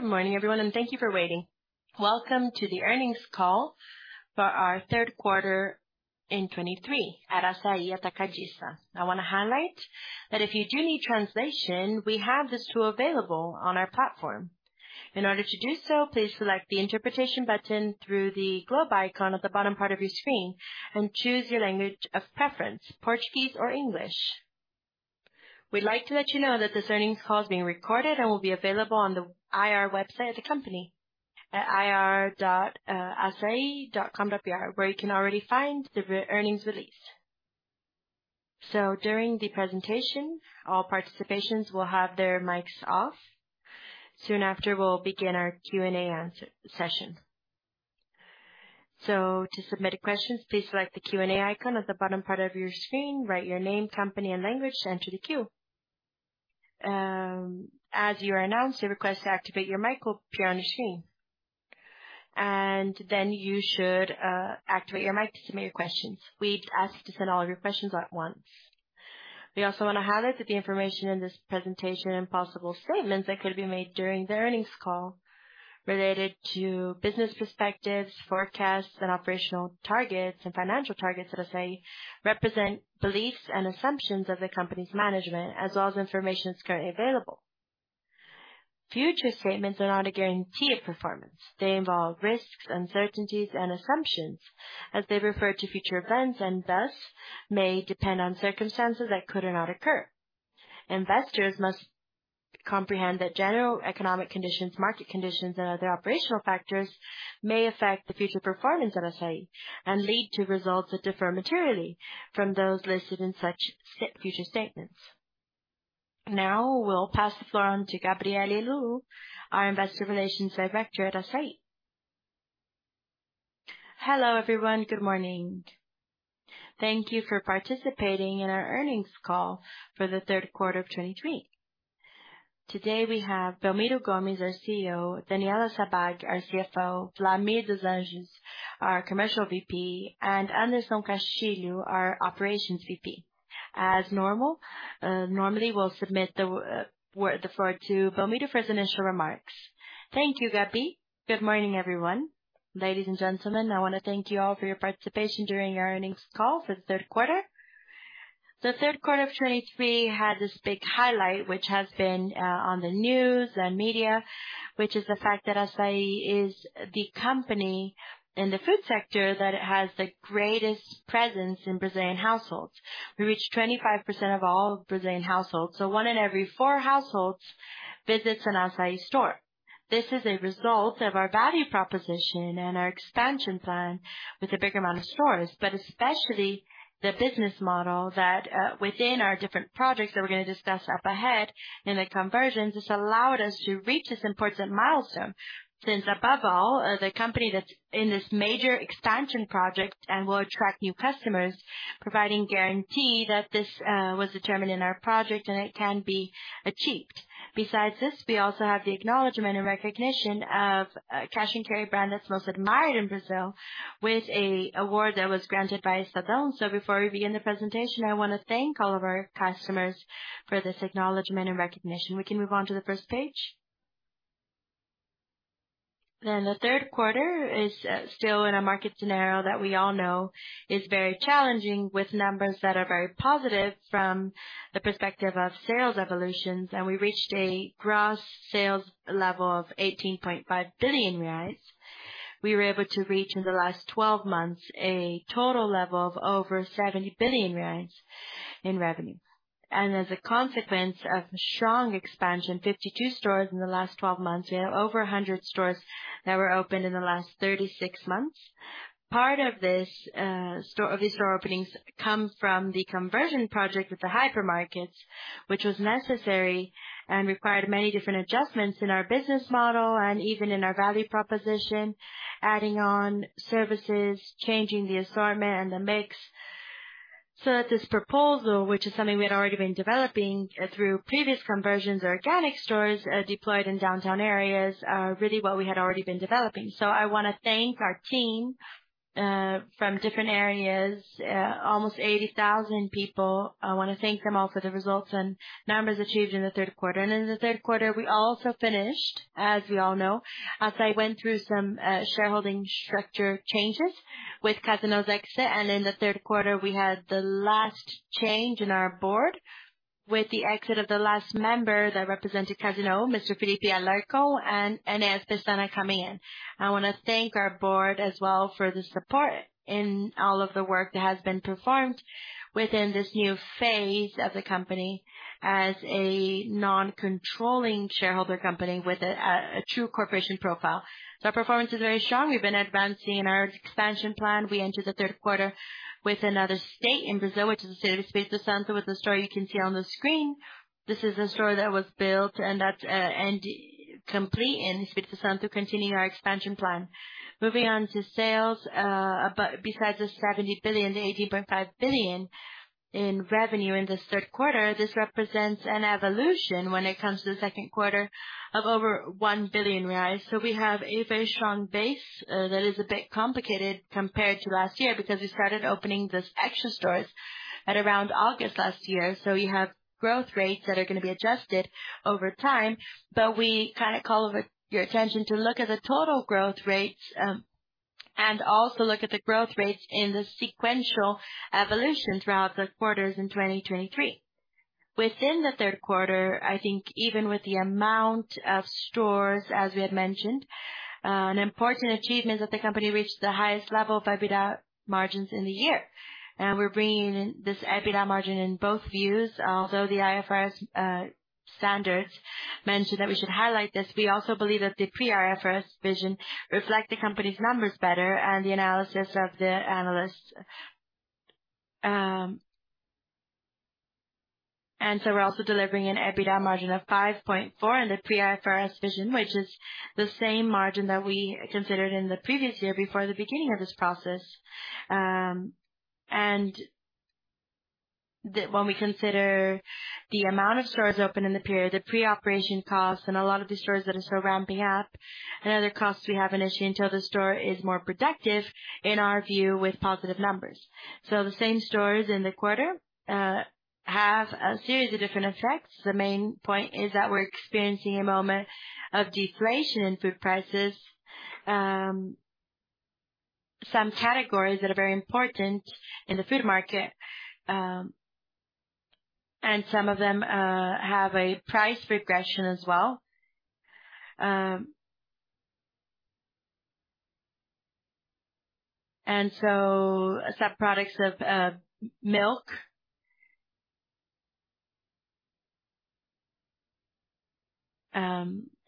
Good morning, everyone, and thank you for waiting. Welcome to the earnings call for our third quarter in 2023 at Assaí Atacadista. I wanna highlight that if you do need translation, we have this tool available on our platform. In order to do so, please select the interpretation button through the globe icon at the bottom part of your screen and choose your language of preference, Portuguese or English. We'd like to let you know that this earnings call is being recorded and will be available on the IR website at the company, at ir.assai.com.br, where you can already find the earnings release. During the presentation, all participants will have their mics off. Soon after, we'll begin our Q&A session. To submit a question, please select the Q&A icon at the bottom part of your screen. Write your name, company, and language to enter the queue. As you are announced, a request to activate your mic will appear on the screen. And then you should, activate your mic to submit your questions. We ask you to send all of your questions at once. We also want to highlight that the information in this presentation and possible statements that could be made during the earnings call, related to business perspectives, forecasts, and operational targets and financial targets at Assaí, represent beliefs and assumptions of the company's management, as well as information that's currently available. Future statements are not a guarantee of performance. They involve risks, uncertainties, and assumptions as they refer to future events, and thus may depend on circumstances that could or not occur. Investors must comprehend that general economic conditions, market conditions, and other operational factors may affect the future performance of Assaí and lead to results that differ materially from those listed in such future statements. Now we'll pass the floor on to Gabrielle Helú, our investor relations director at Assaí. Hello, everyone. Good morning. Thank you for participating in our earnings call for the third quarter of 2023. Today we have Belmiro Gomes, our CEO, Daniela Sabbag, our CFO, Wlamir dos Anjos, our Commercial VP, and Anderson Castilho, our Operations VP. As normal, normally, we'll submit the floor to Belmiro for his initial remarks. Thank you, Gabri. Good morning, everyone. Ladies and gentlemen, I want to thank you all for your participation during our earnings call for the third quarter. The third quarter of 2023 had this big highlight, which has been on the news and media, which is the fact that Assaí is the company in the food sector, that it has the greatest presence in Brazilian households. We reached 25% of all Brazilian households, so one in every four households visits an Assaí store. This is a result of our value proposition and our expansion plan with a bigger amount of stores, but especially the business model that within our different projects that we're going to discuss up ahead in the conversions, this allowed us to reach this important milestone. Since above all, as a company that's in this major expansion project and will attract new customers, providing guarantee that this was determined in our project and it can be achieved. Besides this, we also have the acknowledgement and recognition of cash and carry brand that's most admired in Brazil with an award that was granted by SuperVarejo. So before we begin the presentation, I want to thank all of our customers for this acknowledgement and recognition. We can move on to the first page. The third quarter is still in a market scenario that we all know is very challenging, with numbers that are very positive from the perspective of sales evolutions, and we reached a gross sales level of 18.5 billion reais. We were able to reach, in the last 12 months, a total level of over 70 billion reais in revenue. And as a consequence of strong expansion, 52 stores in the last 12 months, we have over 100 stores that were opened in the last 36 months. Part of this, of these store openings come from the conversion project with the hypermarkets, which was necessary and required many different adjustments in our business model and even in our value proposition, adding on services, changing the assortment and the mix. So that this proposal, which is something we had already been developing through previous conversions or organic stores deployed in downtown areas, are really what we had already been developing. So I want to thank our team from different areas, almost 80,000 people. I want to thank them all for the results and numbers achieved in the third quarter. And in the third quarter, we also finished, as you all know, Assaí went through some shareholding structure changes with Casino's exit. In the third quarter, we had the last change in our board with the exit of the last member that represented Casino, Mr. Philippe Alarcon, and Enéas Pestana coming in. I want to thank our board as well for the support in all of the work that has been performed within this new phase of the company as a non-controlling shareholder company with a true corporation profile. So our performance is very strong. We've been advancing in our expansion plan. We entered the third quarter with another state in Brazil, which is the state of Espírito Santo, with the store you can see on the screen. This is a store that was built and that and complete in Espírito Santo, continuing our expansion plan. Moving on to sales. But besides the 70 billion-80.5 billion in revenue in this third quarter, this represents an evolution when it comes to the second quarter of over 1 billion reais. So we have a very strong base that is a bit complicated compared to last year, because we started opening these Extra stores at around August last year. So you have growth rates that are going to be adjusted over time, but we kind of call your attention to look at the total growth rates, and also look at the growth rates in the sequential evolution throughout the quarters in 2023. Within the third quarter, I think even with the amount of stores, as we had mentioned, an important achievement that the company reached the highest level of EBITDA margins in the year. We're bringing in this EBITDA margin in both views. Although the IFRS standards mentioned that we should highlight this, we also believe that the pre-IFRS version reflects the company's numbers better and the analysis of the analysts. So we're also delivering an EBITDA margin of 5.4% in the pre-IFRS version, which is the same margin that we considered in the previous year before the beginning of this process. When we consider the amount of stores open in the period, the pre-operation costs and a lot of the stores that are still ramping up and other costs, we have an issue until the store is more productive, in our view, with positive numbers. So the same stores in the quarter have a series of different effects. The main point is that we're experiencing a moment of deflation in food prices. Some categories that are very important in the food market, and some of them have a price regression as well. And so subproducts of milk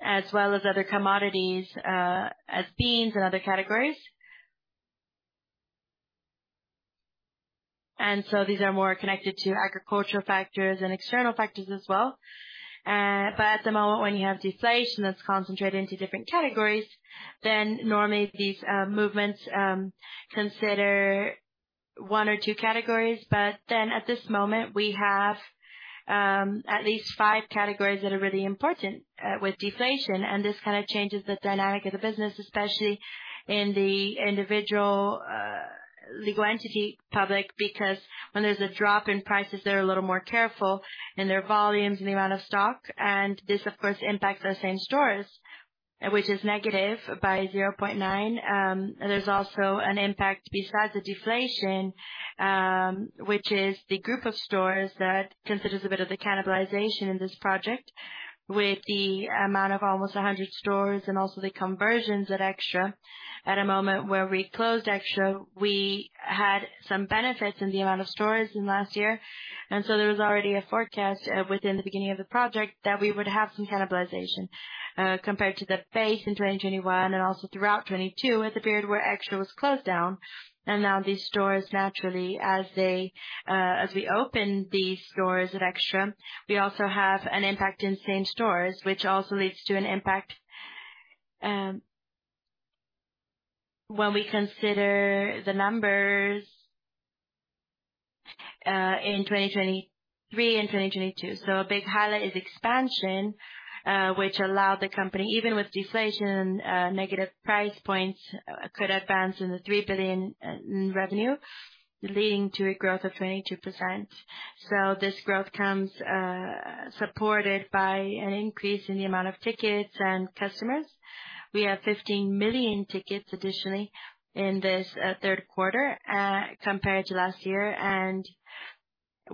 as well as other commodities as beans and other categories. And so these are more connected to agricultural factors and external factors as well. But at the moment, when you have deflation that's concentrated into different categories, then normally these movements consider one or two categories. But then at this moment, we have at least five categories that are really important with deflation. And this kind of changes the dynamic of the business, especially in the individual legal entity public, because when there's a drop in prices, they're a little more careful in their volumes and the amount of stock. This, of course, impacts the same stores, which is negative by 0.9%. There's also an impact besides the deflation, which is the group of stores that considers a bit of the cannibalization in this project, with the amount of almost 100 stores and also the conversions at Extra. At a moment where we closed Extra, we had some benefits in the amount of stores in last year, and so there was already a forecast, within the beginning of the project that we would have some cannibalization, compared to the base in 2021 and also throughout 2022, at the period where Extra was closed down. Now these stores, naturally, as they, as we open these stores at Extra, we also have an impact in same stores, which also leads to an impact, when we consider the numbers, in 2023 and 2022. A big highlight is expansion, which allowed the company, even with deflation, negative price points, could advance in the 3 billion in revenue, leading to a growth of 22%. This growth comes, supported by an increase in the amount of tickets and customers. We have 15 million tickets additionally in this, third quarter, compared to last year.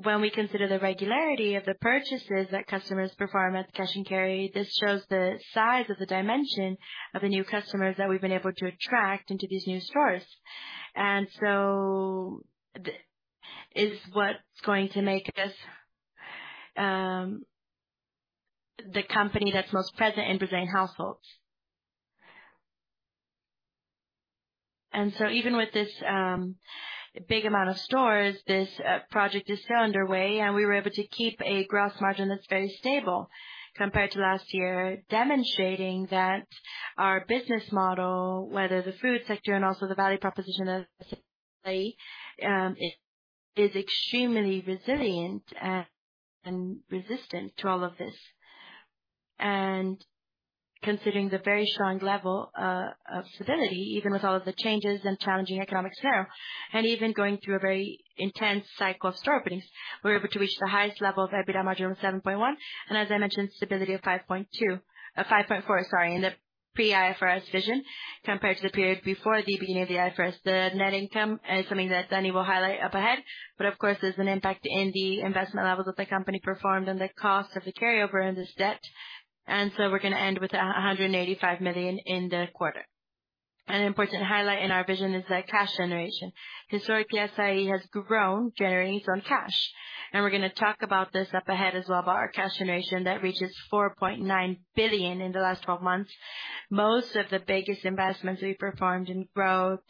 When we consider the regularity of the purchases that customers perform at Cash & Carry, this shows the size of the dimension of the new customers that we've been able to attract into these new stores. So this is what's going to make us the company that's most present in Brazilian households. Even with this big amount of stores, this project is still underway, and we were able to keep a gross margin that's very stable compared to last year. Demonstrating that our business model, whether the food sector and also the value proposition of Assaí is extremely resilient and resistant to all of this. Considering the very strong level of stability, even with all of the changes and challenging economic scenario, and even going through a very intense cycle of store openings, we're able to reach the highest level of EBITDA margin of 7.1, and as I mentioned, stability of 5.2, 5.4, sorry, in the pre-IFRS vision compared to the period before the beginning of the IFRS. The net income is something that Dani will highlight up ahead, but of course, there's an impact in the investment levels that the company performed and the cost of the carryover in this debt. So we're gonna end with 185 million in the quarter. An important highlight in our vision is the cash generation. Historically, Assaí has grown, generating its own cash, and we're gonna talk about this up ahead as well, about our cash generation that reaches 4.9 billion in the last 12 months. Most of the biggest investments we performed in growth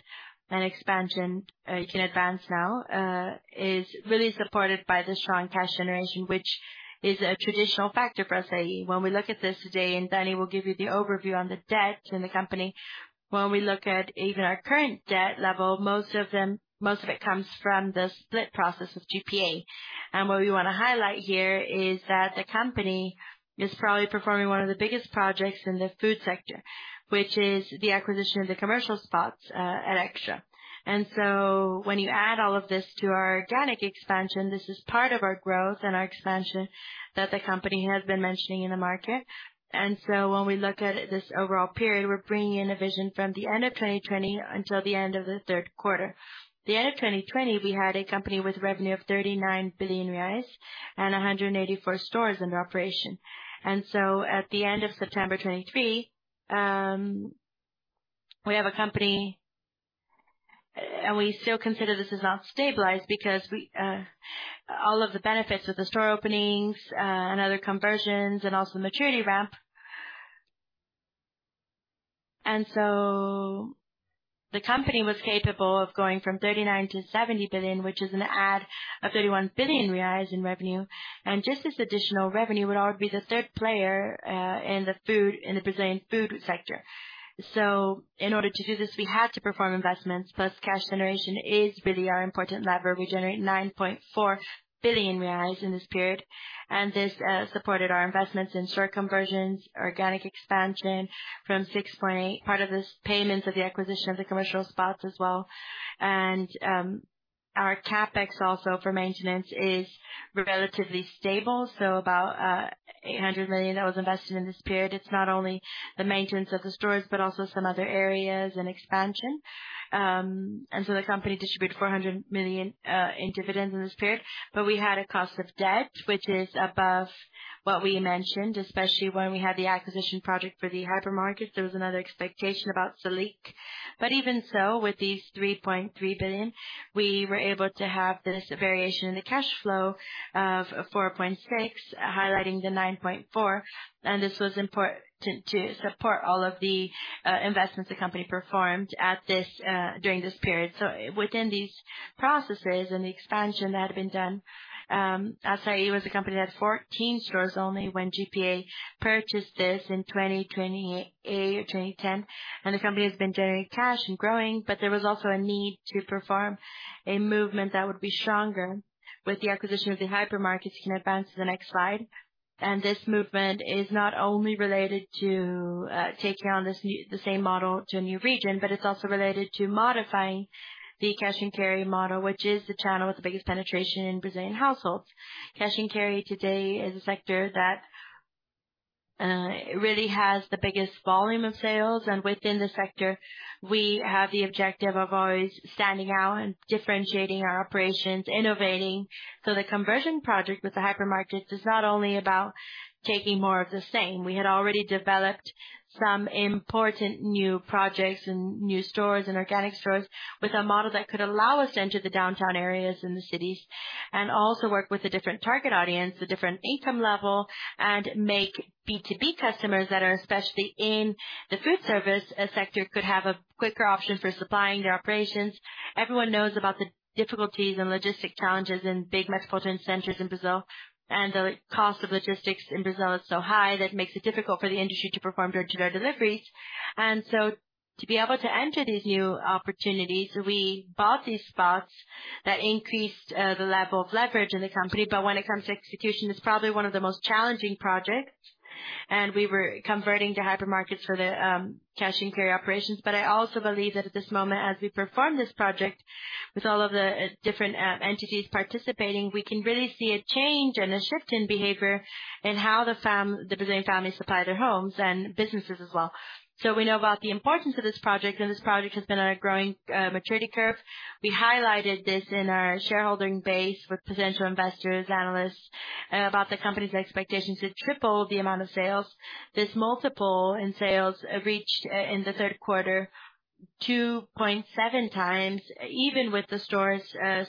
and expansion is really supported by the strong cash generation, which is a traditional factor for Assaí. When we look at this today, and Dani will give you the overview on the debt in the company. When we look at even our current debt level, most of them, most of it comes from the split process of GPA. And what we want to highlight here is that the company is probably performing one of the biggest projects in the food sector, which is the acquisition of the commercial spots at Extra. And so when you add all of this to our organic expansion, this is part of our growth and our expansion that the company has been mentioning in the market. And so when we look at this overall period, we're bringing in a vision from the end of 2020 until the end of the third quarter. The end of 2020, we had a company with revenue of 39 billion reais and 184 stores under operation. At the end of September 2023, we have a company, and we still consider this as not stabilized because all of the benefits of the store openings and other conversions and also maturity ramp. So the company was capable of going from 39 billion to 70 billion, which is an add of 31 billion reais in revenue. And just this additional revenue would already be the third player in the Brazilian food sector. So in order to do this, we had to perform investments, plus cash generation is really our important lever. We generate 9.4 billion reais in this period, and this supported our investments in store conversions, organic expansion from 6.8 billion. Part of this payments of the acquisition of the commercial spots as well. Our CapEx also for maintenance is relatively stable, so about 800 million that was invested in this period. It's not only the maintenance of the stores, but also some other areas and expansion. And so the company distributed 400 million in dividends in this period. But we had a cost of debt, which is above what we mentioned, especially when we had the acquisition project for the hypermarket. There was another expectation about Selic. But even so, with these 3.3 billion, we were able to have this variation in the cash flow of 4.6 billion, highlighting the 9.4 billion, and this was important to support all of the investments the company performed during this period. So within these processes and the expansion that had been done, Assaí was a company that had 14 stores only when GPA purchased this in 2007, and the company has been generating cash and growing. But there was also a need to perform a movement that would be stronger with the acquisition of the hypermarkets. You can advance to the next slide. This movement is not only related to taking on the same model to a new region, but it's also related to modifying the cash and carry model, which is the channel with the biggest penetration in Brazilian households. Cash and carry today is a sector that really has the biggest volume of sales, and within the sector, we have the objective of always standing out and differentiating our operations, innovating. So the conversion project with the hypermarket is not only about taking more of the same. We had already developed some important new projects and new stores and organic stores with a model that could allow us to enter the downtown areas in the cities, and also work with a different target audience, a different income level, and make B2B customers that are especially in the food service sector could have a quicker option for supplying their operations. Everyone knows about the difficulties and logistic challenges in big metropolitan centers in Brazil, and the cost of logistics in Brazil is so high that it makes it difficult for the industry to perform door-to-door deliveries. And so to be able to enter these new opportunities, we bought these spots that increased the level of leverage in the company. But when it comes to execution, it's probably one of the most challenging projects, and we were converting to hypermarkets for the cash and carry operations. But I also believe that at this moment, as we perform this project with all of the different entities participating, we can really see a change and a shift in behavior in how the Brazilian families supply their homes and businesses as well. So we know about the importance of this project, and this project has been on a growing maturity curve. We highlighted this in our shareholding base with potential investors, analysts, about the company's expectations to triple the amount of sales. This multiple in sales reached in the third quarter 2.7x, even with the stores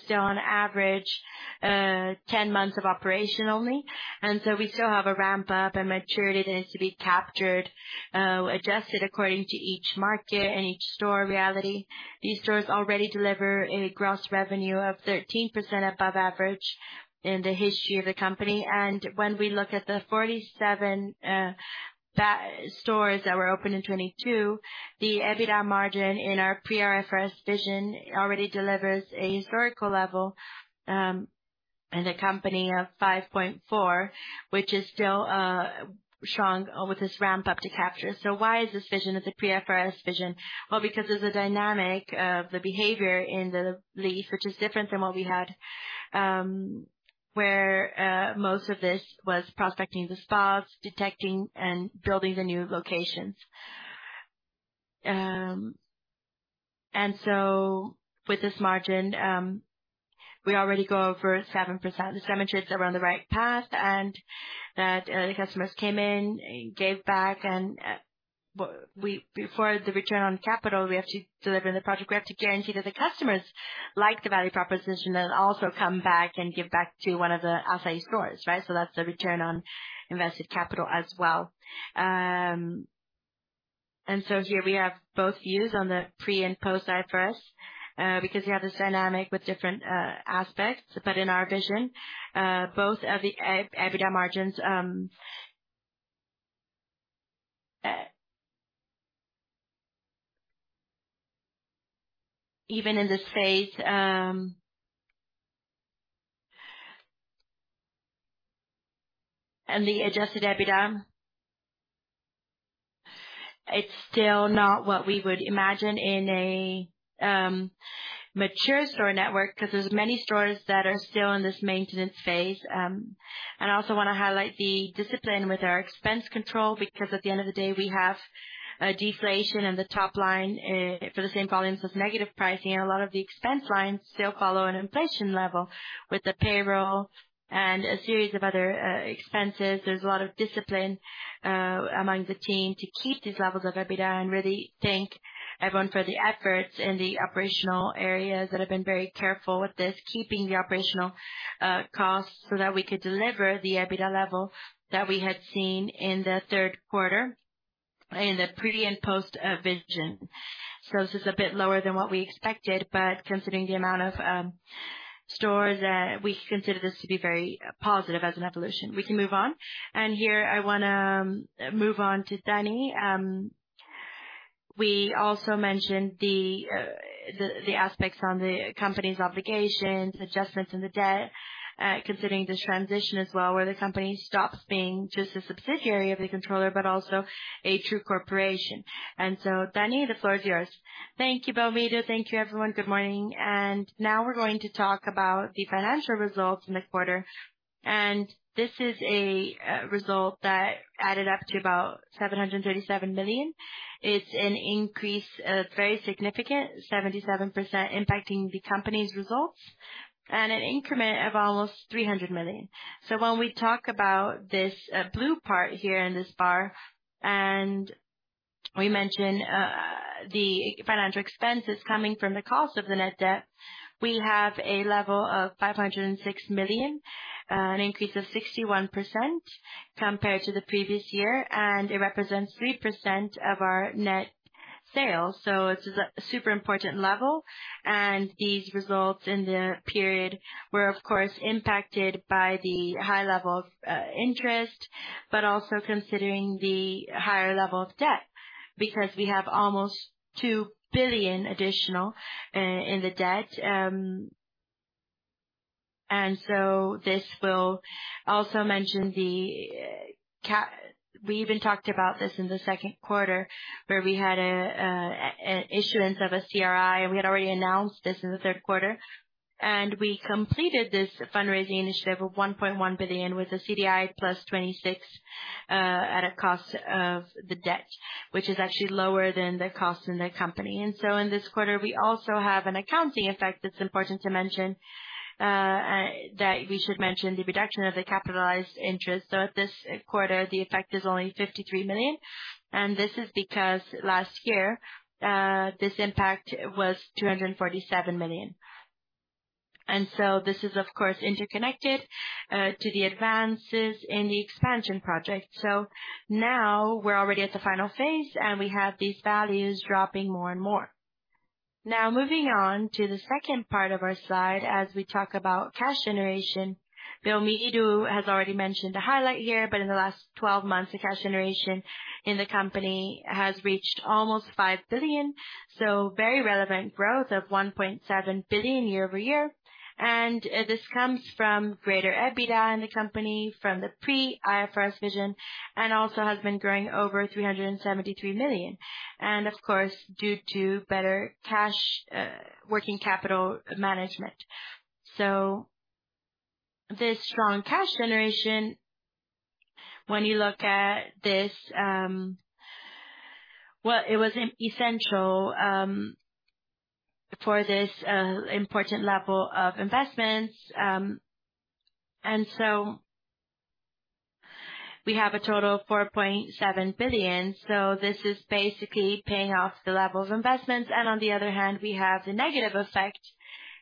still on average 10 months of operation only. So we still have a ramp up and maturity that is to be captured, adjusted according to each market and each store reality. These stores already deliver a gross revenue of 13% above average in the history of the company. And when we look at the 47 stores that were opened in 2022, the EBITDA margin in our pre-IFRS vision already delivers a historical level, as a company of 5.4, which is still strong with this ramp up to capture. So why is this vision of the pre-IFRS vision? Well, because of the dynamic of the behavior in the lease, which is different from what we had, where most of this was prospecting the spots, selecting and building the new locations. And so with this margin, we already go over 7%. This demonstrates that we're on the right path and that the customers came in and gave back, and we before the return on capital, we have to deliver the project. We have to guarantee that the customers like the value proposition and also come back and give back to one of the Assaí stores, right? So that's the return on invested capital as well. And so here we have both views on the pre and post IFRS, because you have this dynamic with different aspects. But in our vision, both of the EBITDA margins, even in this phase, and the adjusted EBITDA, it's still not what we would imagine in a mature store network, 'cause there's many stores that are still in this maintenance phase. I also want to highlight the discipline with our expense control, because at the end of the day, we have a deflation in the top line for the same volumes as negative pricing, and a lot of the expense lines still follow an inflation level with the payroll and a series of other expenses. There's a lot of discipline among the team to keep these levels of EBITDA and really thank everyone for the efforts in the operational areas that have been very careful with this, keeping the operational costs so that we could deliver the EBITDA level that we had seen in the third quarter in the pre and post vision. So this is a bit lower than what we expected, but considering the amount of stores, we consider this to be very positive as an evolution. We can move on. And here I wanna move on to Danny. We also mentioned the aspects on the company's obligations, adjustments in the debt, considering this transition as well, where the company stops being just a subsidiary of the controller, but also a true corporation. And so, Dani, the floor is yours. Thank you, Belmiro. Thank you, everyone. Good morning. And now we're going to talk about the financial results in the quarter. And this is a result that added up to about 737 million. It's an increase very significant, 77%, impacting the company's results and an increment of almost 300 million. So when we talk about this, blue part here in this bar, and we mention the financial expenses coming from the cost of the net debt, we have a level of 506 million, an increase of 61% compared to the previous year, and it represents 3% of our net sales. So this is a super important level, and these results in the period were, of course, impacted by the high level of interest, but also considering the higher level of debt, because we have almost 2 billion additional in the debt. And so this will also mention. We even talked about this in the second quarter, where we had an issuance of a CRI, and we had already announced this in the third quarter. We completed this fundraising initiative of 1.1 billion, with a CDI + 26, at a cost of the debt, which is actually lower than the cost in the company. So in this quarter, we also have an accounting effect that's important to mention, that we should mention the reduction of the capitalized interest. So at this quarter, the effect is only 53 million, and this is because last year, this impact was 247 million. So this is, of course, interconnected, to the advances in the expansion project. So now we're already at the final phase, and we have these values dropping more and more. Now, moving on to the second part of our slide as we talk about cash generation. Belmiro has already mentioned the highlight here, but in the last 12 months, the cash generation in the company has reached almost 5 billion, so very relevant growth of 1.7 billion year-over-year. This comes from greater EBITDA in the company from the pre-IFRS version, and also has been growing over 373 million, and of course, due to better cash working capital management. So this strong cash generation, when you look at this, it was essential for this important level of investments. And so we have a total of 4.7 billion. So this is basically paying off the level of investments. And on the other hand, we have the negative effect,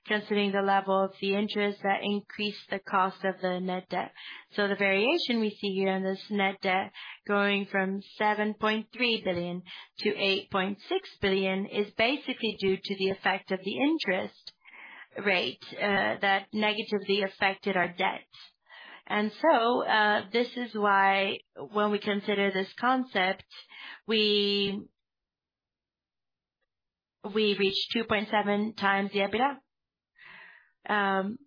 considering the level of the interest that increased the cost of the net debt. So the variation we see here in this net debt, going from 7.3 billion to 8.6 billion, is basically due to the effect of the interest rate that negatively affected our debt. So this is why when we consider this concept, we, we reach 2.7x the EBITDA. And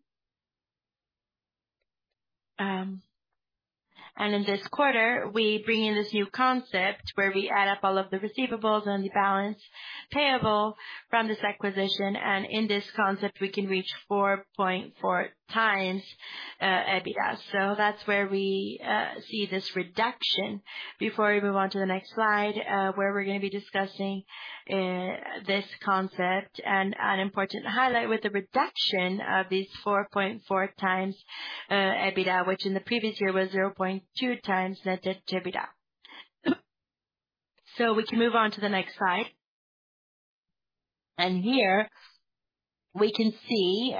in this quarter, we bring in this new concept, where we add up all of the receivables and the balance payable from this acquisition. And in this concept, we can reach 4.4x EBITDA. So that's where we see this reduction. Before we move on to the next slide, where we're going to be discussing this concept and an important highlight with the reduction of these 4.4x EBITDA, which in the previous year was 0.2x net debt to EBITDA. So we can move on to the next slide. Here we can see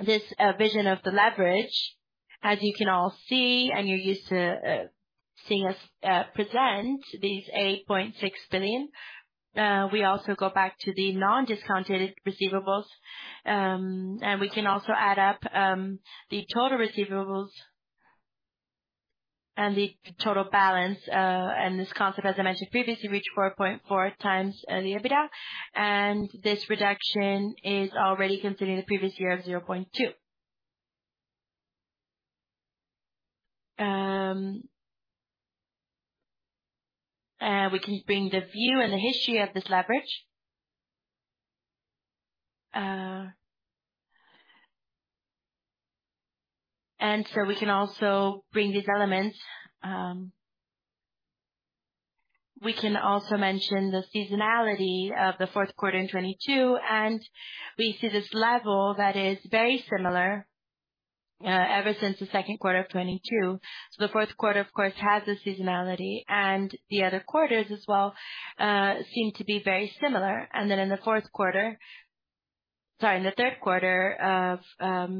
this vision of the leverage. As you can all see, and you're used to seeing us present these 8.6 billion. We also go back to the non-discounted receivables, and we can also add up the total receivables and the total balance. And this concept, as I mentioned previously, reached 4.4x the EBITDA, and this reduction is already considering the previous year of 0.2. We can bring the view and the history of this leverage. And so we can also bring these elements. We can also mention the seasonality of the fourth quarter in 2022, and we see this level that is very similar, ever since the second quarter of 2022. So the fourth quarter, of course, has a seasonality, and the other quarters as well seem to be very similar. And then in the third quarter of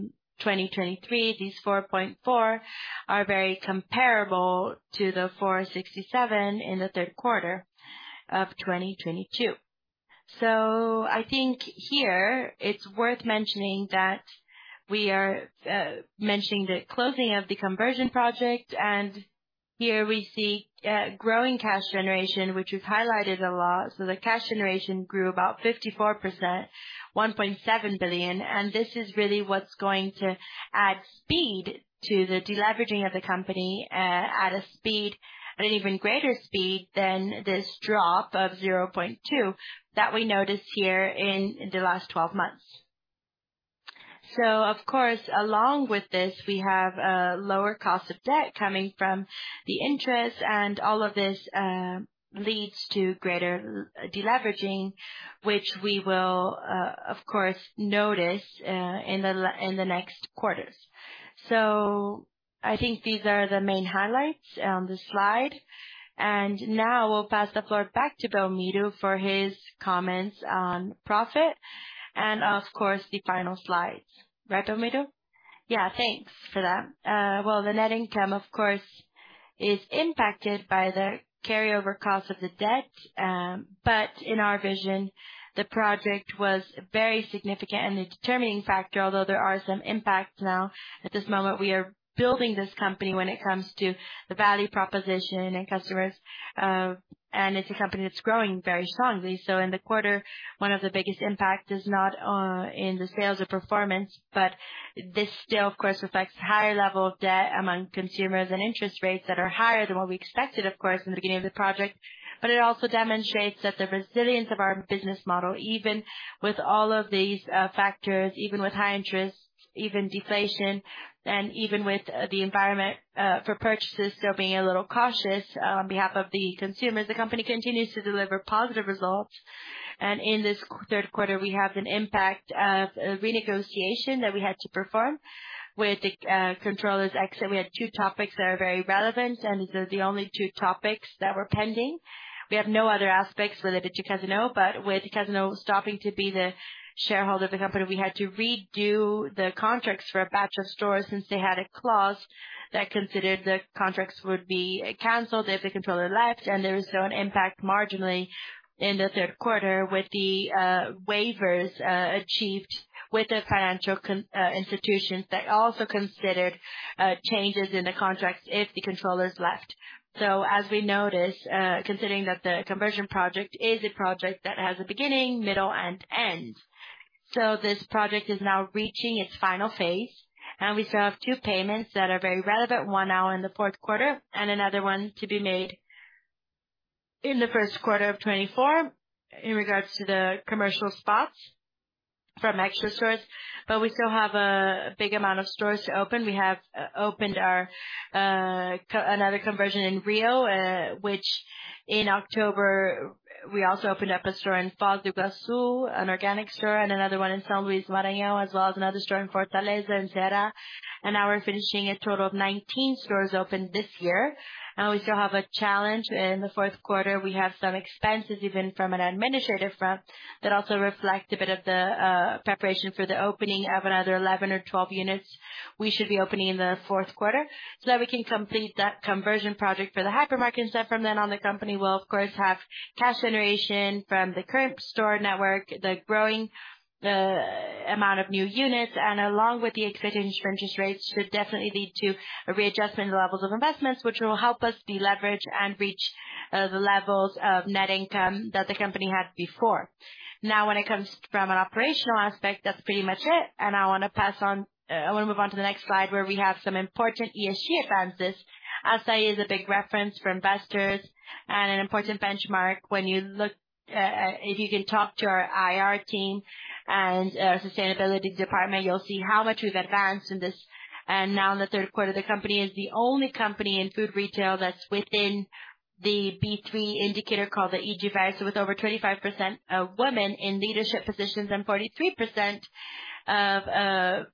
2023, these 4.4 are very comparable to the 4.67 in the third quarter of 2022. So I think here it's worth mentioning that we are mentioning the closing of the conversion project, and here we see growing cash generation, which we've highlighted a lot. The cash generation grew about 54%, 1.7 billion, and this is really what's going to add speed to the deleveraging of the company, at an even greater speed than this drop of 0.2 that we noticed here in the last 12 months. So of course, along with this, we have a lower cost of debt coming from the interest, and all of this leads to greater deleveraging, which we will, of course, notice in the next quarters. So I think these are the main highlights on this slide. And now we'll pass the floor back to Belmiro for his comments on profit and of course, the final slides. Right, Belmiro? Yeah, thanks for that. Well, the net income, of course, is impacted by the carryover cost of the debt, but in our vision, the project was very significant and the determining factor, although there are some impacts now. At this moment, we are building this company when it comes to the value proposition and customers, and it's a company that's growing very strongly. So in the quarter, one of the biggest impacts is not in the sales or performance, but this still, of course, reflects higher level of debt among consumers and interest rates that are higher than what we expected, of course, in the beginning of the project. But it also demonstrates that the resilience of our business model, even with all of these factors, even with high interest, even deflation, and even with the environment for purchases still being a little cautious on behalf of the consumers, the company continues to deliver positive results. And in this third quarter, we have an impact of a renegotiation that we had to perform with the controllers XP. We had two topics that are very relevant, and the only two topics that were pending. We have no other aspects related to Casino, but with Casino stopping to be the shareholder of the company, we had to redo the contracts for a batch of stores since they had a clause that considered the contracts would be canceled if the controller left. There is still an impact marginally in the third quarter with the waivers achieved with the financial institutions that also considered changes in the contracts if the controllers left. So as we notice, considering that the conversion project is a project that has a beginning, middle, and end. So this project is now reaching its final phase, and we still have two payments that are very relevant, one now in the fourth quarter and another one to be made in the first quarter of 2024, in regards to the commercial spots from Extra stores. But we still have a big amount of stores to open. We have opened another conversion in Rio, which in October, we also opened up a store in Foz do Iguaçu, an organic store, and another one in São Luís, Maranhão, as well as another store in Fortaleza, in Ceará. Now we're finishing a total of 19 stores opened this year, and we still have a challenge in the fourth quarter. We have some expenses, even from an administrative front, that also reflect a bit of the preparation for the opening of another 11 or 12 units we should be opening in the fourth quarter. So that we can complete that conversion project for the hypermarket, and from then on, the company will of course have cash generation from the current store network, the growing amount of new units, and along with the existing interest rates, should definitely lead to a readjustment in the levels of investments, which will help us deleverage and reach the levels of net income that the company had before. Now, when it comes from an operational aspect, that's pretty much it. And I want to move on to the next slide, where we have some important ESG advances. ASAI is a big reference for investors and an important benchmark. When you look, if you can talk to our IR team and sustainability department, you'll see how much we've advanced in this. Now in the third quarter, the company is the only company in food retail that's within the B3 indicator called the EG5. So with over 25% of women in leadership positions and 43% of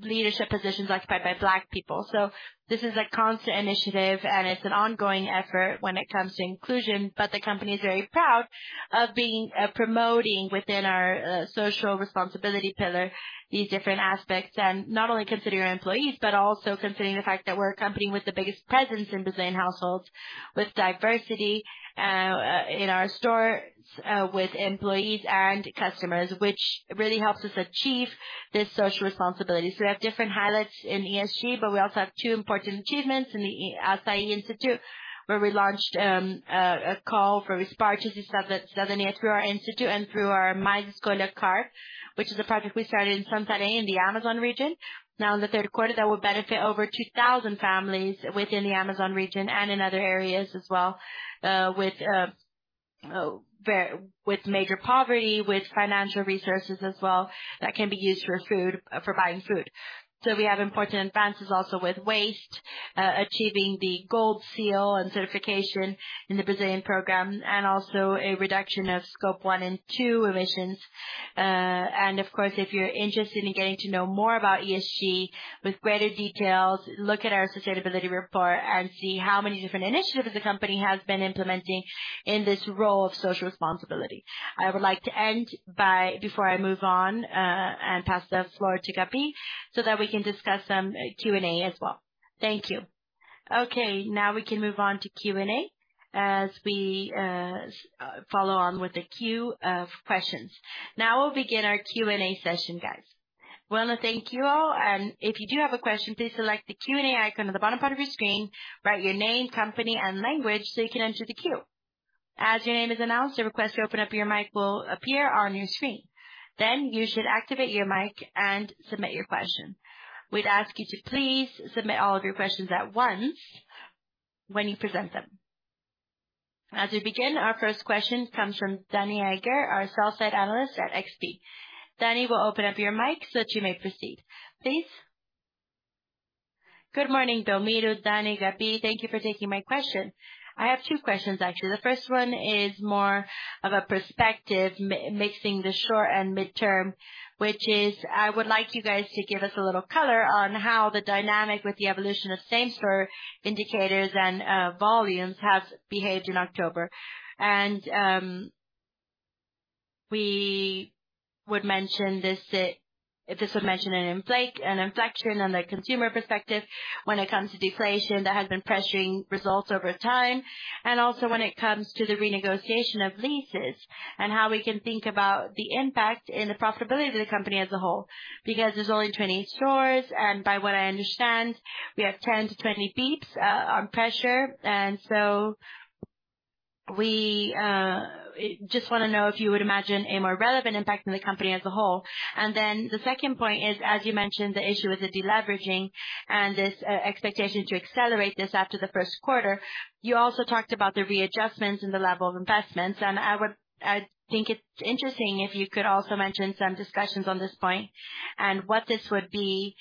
leadership positions occupied by Black people. So this is a constant initiative, and it's an ongoing effort when it comes to inclusion. But the company is very proud of being promoting within our social responsibility pillar, these different aspects, and not only considering our employees, but also considering the fact that we're a company with the biggest presence in Brazilian households, with diversity in our stores with employees and customers, which really helps us achieve this social responsibility. So we have different highlights in ESG, but we also have two important achievements in the Assaí Institute, where we launched a call for purchases that, that through our institute and through our My School Cart, which is a project we started in Santarém, in the Amazon region. Now in the third quarter, that will benefit over 2,000 families within the Amazon region and in other areas as well with major poverty, with financial resources as well, that can be used for food, for buying food. So we have important advances also with waste, achieving the gold seal and certification in the Brazilian program, and also a reduction of scope one and two emissions. And of course, if you're interested in getting to know more about ESG with greater details, look at our sustainability report and see how many different initiatives the company has been implementing in this role of social responsibility. I would like to end by, before I move on, and pass the floor to Gabi, so that we can discuss some Q&A as well. Thank you. Okay, now we can move on to Q&A, as we follow on with the queue of questions. Now we'll begin our Q&A session, guys. I want to thank you all, and if you do have a question, please select the Q&A icon at the bottom part of your screen, write your name, company, and language, so you can enter the queue. As your name is announced, a request to open up your mic will appear on your screen. Then you should activate your mic and submit your question. We'd ask you to please submit all of your questions at once when you present them. As we begin, our first question comes from Dani Eiger, our sell-side analyst at XP. Dani, we'll open up your mic so that you may proceed. Please. Good morning, Belmiro, Dani, and Gabi. Thank you for taking my question. I have two questions, actually. The first one is more of a perspective, mixing the short and midterm, which is, I would like you guys to give us a little color on how the dynamic with the evolution of same store indicators and volumes has behaved in October. And we would mention this, if this would mention an inflection on the consumer perspective when it comes to deflation, that has been pressuring results over time. And also, when it comes to the renegotiation of leases, and how we can think about the impact in the profitability of the company as a whole. Because there's only 28 stores, and by what I understand, we have 10-20 bps on pressure. And so we just wanna know if you would imagine a more relevant impact in the company as a whole. And then the second point is, as you mentioned, the issue with the deleveraging and this expectation to accelerate this after the first quarter. You also talked about the readjustments and the level of investments, and I would—I think it's interesting if you could also mention some discussions on this point and what this would be,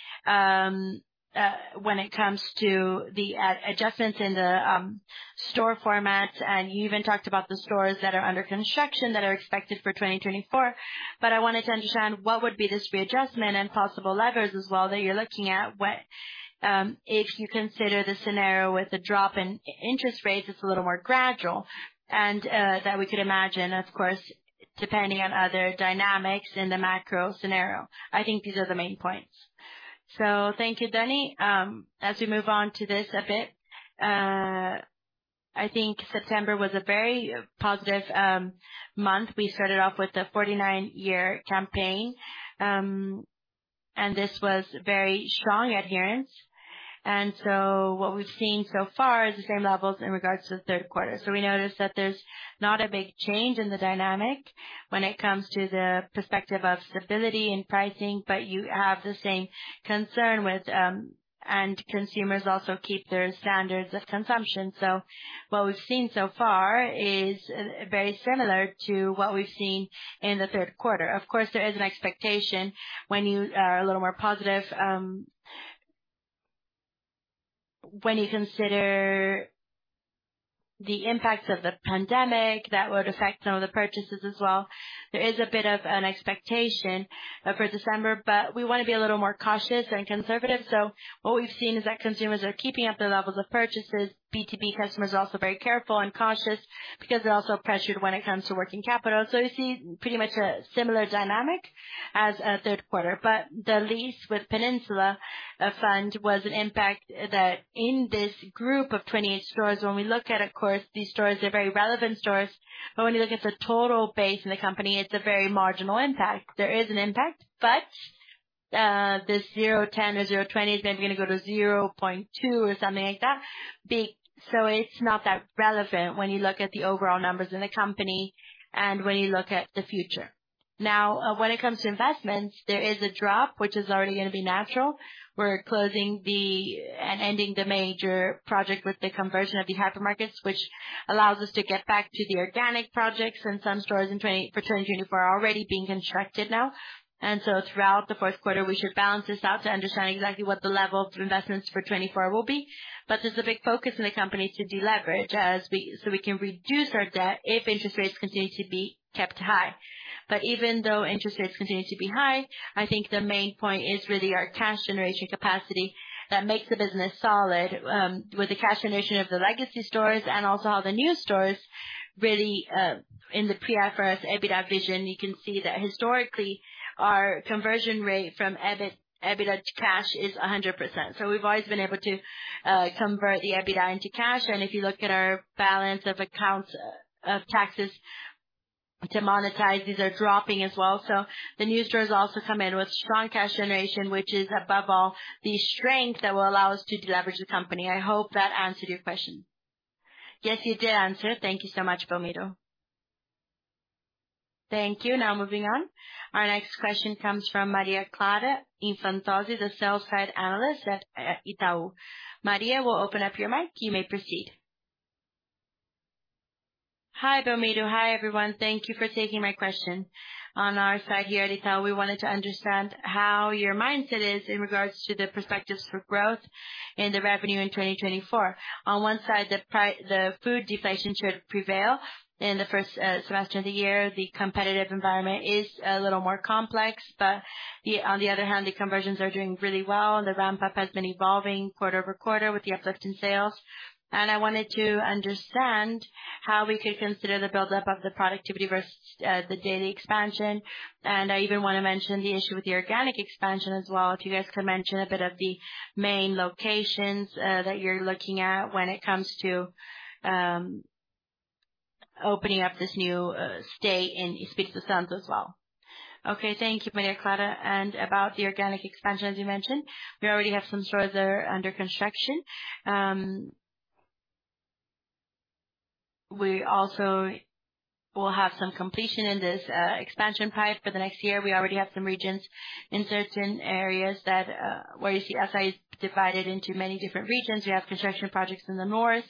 when it comes to the adjustments in the store formats. You even talked about the stores that are under construction that are expected for 2024. But I wanted to understand what would be this readjustment and possible levers as well, that you're looking at, what, if you consider the scenario with a drop in interest rates, it's a little more gradual, and that we could imagine, of course, depending on other dynamics in the Makro scenario. I think these are the main points. Thank you, Dani. As we move on to this a bit, I think September was a very positive month. We started off with the 49-year campaign, and this was very strong adherence. So what we've seen so far is the same levels in regards to the third quarter. So we noticed that there's not a big change in the dynamic when it comes to the perspective of stability in pricing, but you have the same concern with, and consumers also keep their standards of consumption. So what we've seen so far is very similar to what we've seen in the third quarter. Of course, there is an expectation when you are a little more positive, when you consider the impact of the pandemic, that would affect some of the purchases as well. There is a bit of an expectation for December, but we want to be a little more cautious and conservative. So what we've seen is that consumers are keeping up their levels of purchases. B2B customers are also very careful and cautious because they're also pressured when it comes to working capital. We see pretty much a similar dynamic as at third quarter. But the lease with Península Fund was an impact that in this group of 28 stores, when we look at, of course, these stores are very relevant stores, but when you look at the total base in the company, it's a very marginal impact. There is an impact, but the 0.10 or 0.20 is maybe going to go to 0.2 or something like that. So it's not that relevant when you look at the overall numbers in the company and when you look at the future. Now, when it comes to investments, there is a drop, which is already going to be natural. We're closing and ending the major project with the conversion of the hypermarkets, which allows us to get back to the organic projects and some stores in 2024 are already being constructed now. So throughout the fourth quarter, we should balance this out to understand exactly what the level of investments for 2024 will be. But there's a big focus in the company to deleverage, so we can reduce our debt if interest rates continue to be kept high. But even though interest rates continue to be high, I think the main point is really our cash generation capacity that makes the business solid, with the cash generation of the legacy stores and also all the new stores. Really, in the pre-IFRS EBITDA vision, you can see that historically, our conversion rate from EBITDA to cash is 100%. So we've always been able to convert the EBITDA into cash. And if you look at our balance of accounts, of taxes to monetize, these are dropping as well. So the new stores also come in with strong cash generation, which is, above all, the strength that will allow us to deleverage the company. I hope that answered your question. Yes, you did answer. Thank you so much, Belmiro. Thank you. Now, moving on. Our next question comes from Maria Clara Infantozzi, the sell-side analyst at Itaú. Maria, we'll open up your mic. You may proceed. Hi, Belmiro. Hi, everyone. Thank you for taking my question. On our side here at Itaú, we wanted to understand how your mindset is in regards to the perspectives for growth and the revenue in 2024. On one side, the food deflation should prevail in the first semester of the year. The competitive environment is a little more complex, but on the other hand, the conversions are doing really well, and the ramp-up has been evolving quarter-over-quarter with the uplift in sales. And I wanted to understand how we could consider the buildup of the productivity versus the daily expansion. And I even want to mention the issue with the organic expansion as well. If you guys could mention a bit of the main locations that you're looking at when it comes to opening up this new store in Espírito Santo as well. Okay, thank you, Maria Clara. And about the organic expansion, as you mentioned, we already have some stores that are under construction. We also will have some completion in this, expansion part for the next year. We already have some regions in certain areas that, where you see Assaí divided into many different regions. We have construction projects in the north,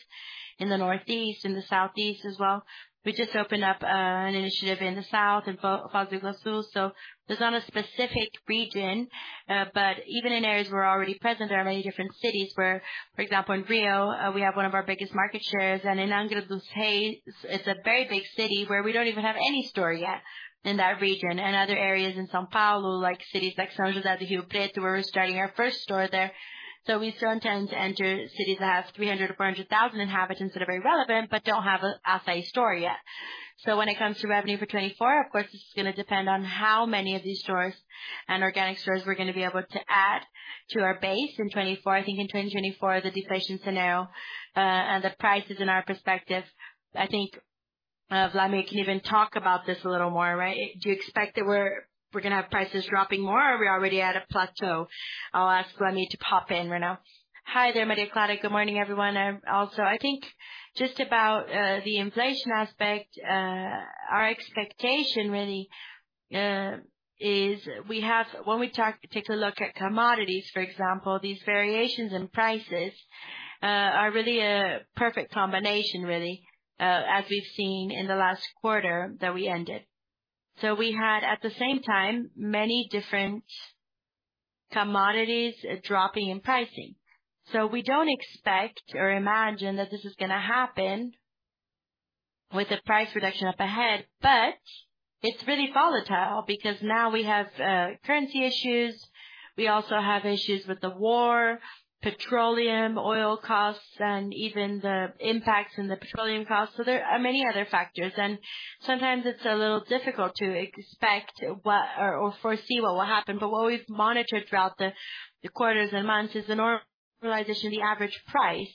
in the northeast, in the southeast as well. We just opened up, an initiative in the south, in Foz do Iguaçu, so there's not a specific region. But even in areas we're already present, there are many different cities where, for example, in Rio, we have one of our biggest market shares. And in Angra dos Reis, it's a very big city where we don't even have any store yet in that region, and other areas in São Paulo, like cities like São José do Rio Preto, we're starting our first store there. So we still intend to enter cities that have 300,000-400,000 inhabitants that are very relevant but don't have an Assaí store yet. So when it comes to revenue for 2024, of course, this is gonna depend on how many of these stores and organic stores we're going to be able to add to our base in 2024. I think in 2024, the deflation scenario, and the prices in our perspective, I think, Wlamir can even talk about this a little more, right? Do you expect that we're, we're gonna have prices dropping more, or are we already at a plateau? I'll ask Wlamir to pop in right now. Hi there, Maria Clara. Good morning, everyone. Also, I think just about the inflation aspect, our expectation really is we have. When we talk, take a look at commodities, for example, these variations in prices are really a perfect combination, really, as we've seen in the last quarter that we ended. So we had, at the same time, many different commodities dropping in pricing. So we don't expect or imagine that this is gonna happen with the price reduction up ahead, but it's really volatile because now we have currency issues. We also have issues with the war, petroleum, oil costs, and even the impacts in the petroleum costs. So there are many other factors, and sometimes it's a little difficult to expect what or foresee what will happen. But what we've monitored throughout the quarters and months is the normalization, the average price.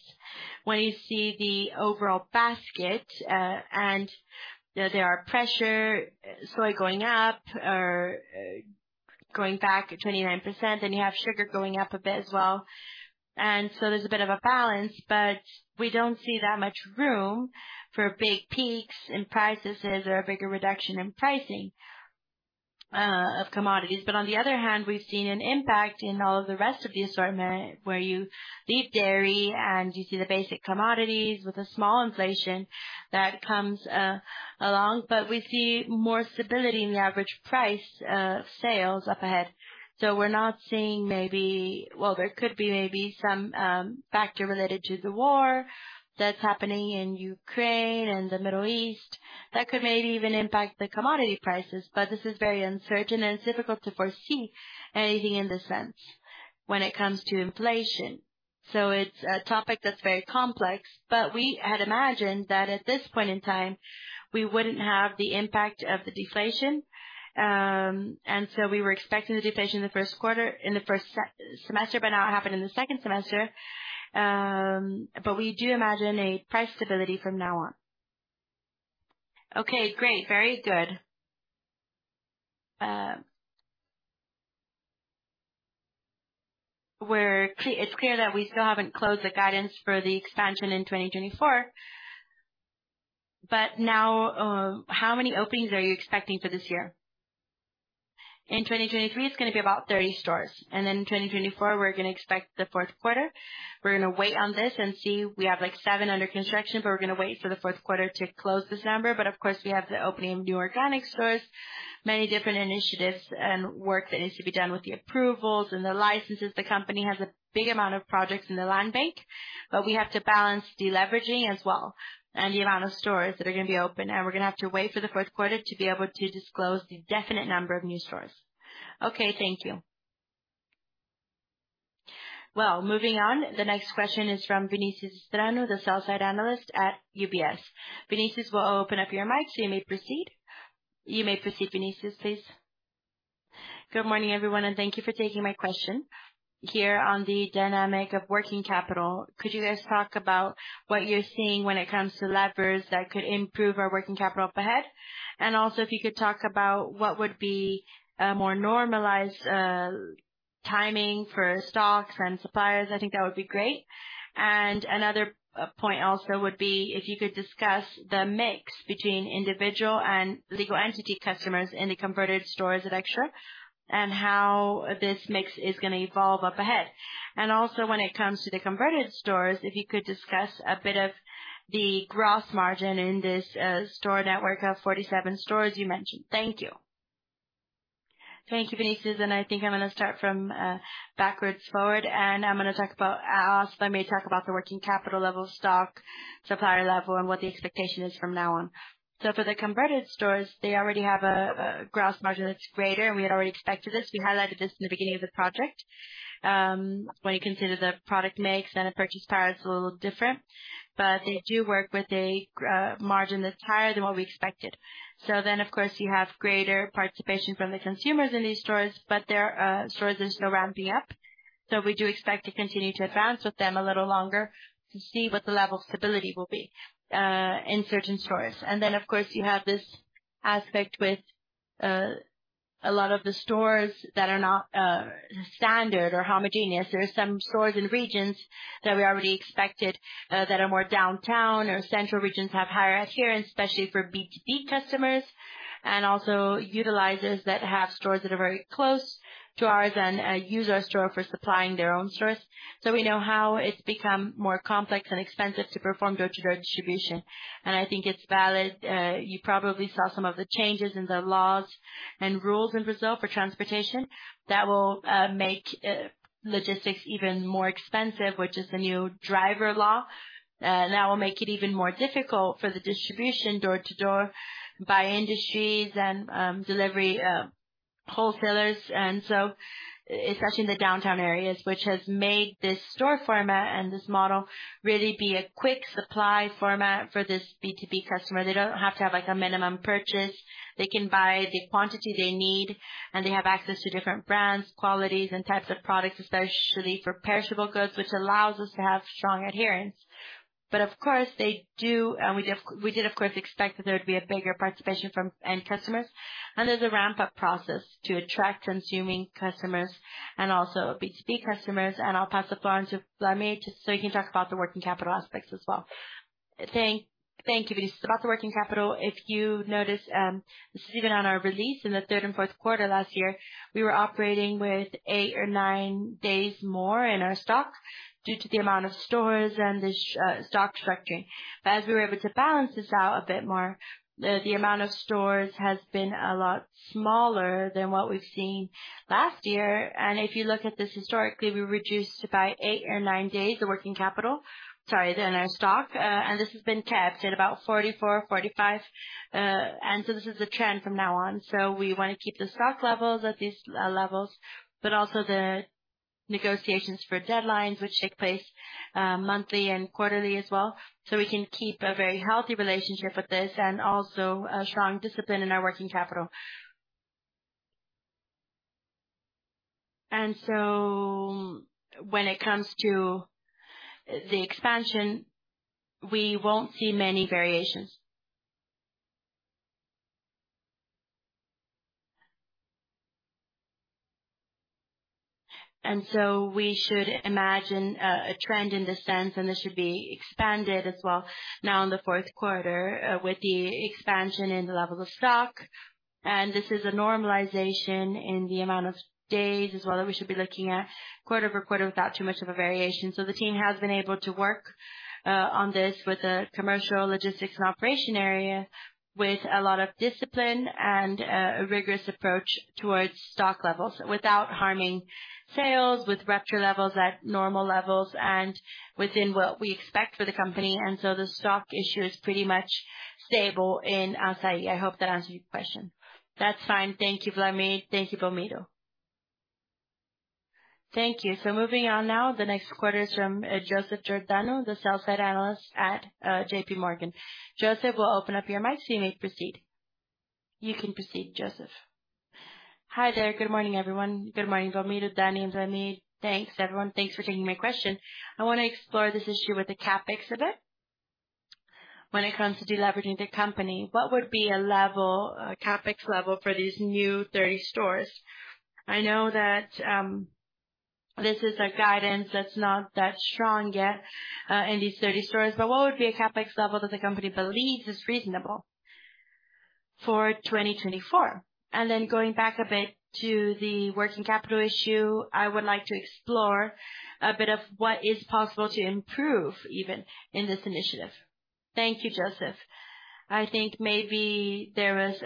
When you see the overall basket, and, you know, there are pressure, soy going up or, going back at 29%, then you have sugar going up a bit as well. And so there's a bit of a balance, but we don't see that much room for big peaks in prices or a bigger reduction in pricing, of commodities. But on the other hand, we've seen an impact in all of the rest of the assortment, where you leave dairy and you see the basic commodities with a small inflation that comes, along. But we see more stability in the average price, sales up ahead. So we're not seeing maybe... Well, there could be maybe some, factor related to the war that's happening in Ukraine and the Middle East that could maybe even impact the commodity prices. But this is very uncertain and difficult to foresee anything in this sense when it comes to inflation. So it's a topic that's very complex, but we had imagined that at this point in time, we wouldn't have the impact of the deflation. And so we were expecting the deflation in the first quarter, in the first semester, but now it happened in the second semester. But we do imagine a price stability from now on. Okay, great. Very good. We're clear. It's clear that we still haven't closed the guidance for the expansion in 2024, but now, how many openings are you expecting for this year? In 2023, it's gonna be about 30 stores, and then in 2024, we're gonna expect the fourth quarter. We're gonna wait on this and see. We have, like, seven under construction, but we're gonna wait for the fourth quarter to close this number. But of course, we have the opening of new organic stores, many different initiatives and work that needs to be done with the approvals and the licenses. The company has a big amount of projects in the land bank, but we have to balance deleveraging as well, and the amount of stores that are going to be open. And we're gonna have to wait for the fourth quarter to be able to disclose the definite number of new stores. Okay. Thank you. Well, moving on. The next question is from Vinicius Strano, the sell-side analyst at UBS. Vinicius, we'll open up your mic so you may proceed. You may proceed, Vinicius, please. Good morning, everyone, and thank you for taking my question. Here on the dynamic of working capital, could you guys talk about what you're seeing when it comes to levers that could improve our working capital up ahead? And also, if you could talk about what would be a more normalized timing for stocks and suppliers, I think that would be great. And another point also would be if you could discuss the mix between individual and legal entity customers in the converted stores at Extra, and how this mix is gonna evolve up ahead. And also, when it comes to the converted stores, if you could discuss a bit of the gross margin in this store network of 47 stores you mentioned. Thank you. Thank you, Vinicius, and I think I'm gonna start from, backwards, forward, and I'm gonna talk about. I'll also maybe talk about the working capital level, stock, supplier level, and what the expectation is from now on. So for the converted stores, they already have a gross margin that's greater, and we had already expected this. We highlighted this in the beginning of the project. When you consider the product mix and the purchase price, it's a little different, but they do work with a margin that's higher than what we expected. So then, of course, you have greater participation from the consumers in these stores, but their stores are still ramping up, so we do expect to continue to advance with them a little longer to see what the level of stability will be in certain stores. And then, of course, you have this aspect with a lot of the stores that are not standard or homogeneous. There are some stores in regions that we already expected that are more downtown or central regions have higher adherence, especially for B2B customers, and also utilizes that have stores that are very close to ours and use our store for supplying their own stores. So we know how it's become more complex and expensive to perform door-to-door distribution, and I think it's valid. You probably saw some of the changes in the laws and rules in Brazil for transportation that will make logistics even more expensive, which is the new driver law. That will make it even more difficult for the distribution door-to-door by industries and delivery wholesalers. And so especially in the downtown areas, which has made this store format and this model really be a quick supply format for this B2B customer. They don't have to have, like, a minimum purchase. They can buy the quantity they need, and they have access to different brands, qualities, and types of products, especially for perishable goods, which allows us to have strong adherence. But of course, they do, and we did, we did, of course, expect that there would be a bigger participation from end customers. And there's a ramp-up process to attract consuming customers and also B2B customers. And I'll pass the floor on to Wlamir, so he can talk about the working capital aspects as well. Thank you, Vinicius. About the working capital, if you notice, this is even on our release in the third and fourth quarter last year, we were operating with eight or nine days more in our stock due to the amount of stores and the stock structuring. But as we were able to balance this out a bit more, the amount of stores has been a lot smaller than what we've seen last year. And if you look at this historically, we reduced by eight or nine days the working capital, sorry, in our stock, and this has been kept at about 44, 45. And so this is the trend from now on. So we want to keep the stock levels at these levels, but also the negotiations for deadlines, which take place monthly and quarterly as well, so we can keep a very healthy relationship with this and also a strong discipline in our working capital. And so when it comes to the expansion, we won't see many variations. And so we should imagine a trend in this sense, and this should be expanded as well now in the fourth quarter, with the expansion in the level of stock. And this is a normalization in the amount of days as well, that we should be looking at quarter-over-quarter without too much of a variation. So the team has been able to work on this with the commercial logistics and operation area, with a lot of discipline and a rigorous approach towards stock levels without harming sales, with rupture levels at normal levels and within what we expect for the company. And so the stock issue is pretty much stable in Assaí. I hope that answers your question. That's fine. Thank you, Wlamir. Thank you, Belmiro. Thank you. Moving on now, the next call is from Joseph Giordano, the sell-side analyst at JP Morgan. Joseph, we'll open up your mic so you may proceed. You can proceed, Joseph. Hi there. Good morning, everyone. Good morning, Belmiro, Dani, and Wlamir. Thanks, everyone. Thanks for taking my question. I want to explore this issue with the CapEx a bit. When it comes to deleveraging the company, what would be a level, a CapEx level for these new 30 stores? I know that this is a guidance that's not that strong yet in these 30 stores, but what would be a CapEx level that the company believes is reasonable for 2024? And then going back a bit to the working capital issue, I would like to explore a bit of what is possible to improve, even in this initiative. Thank you, Joseph. I think maybe there was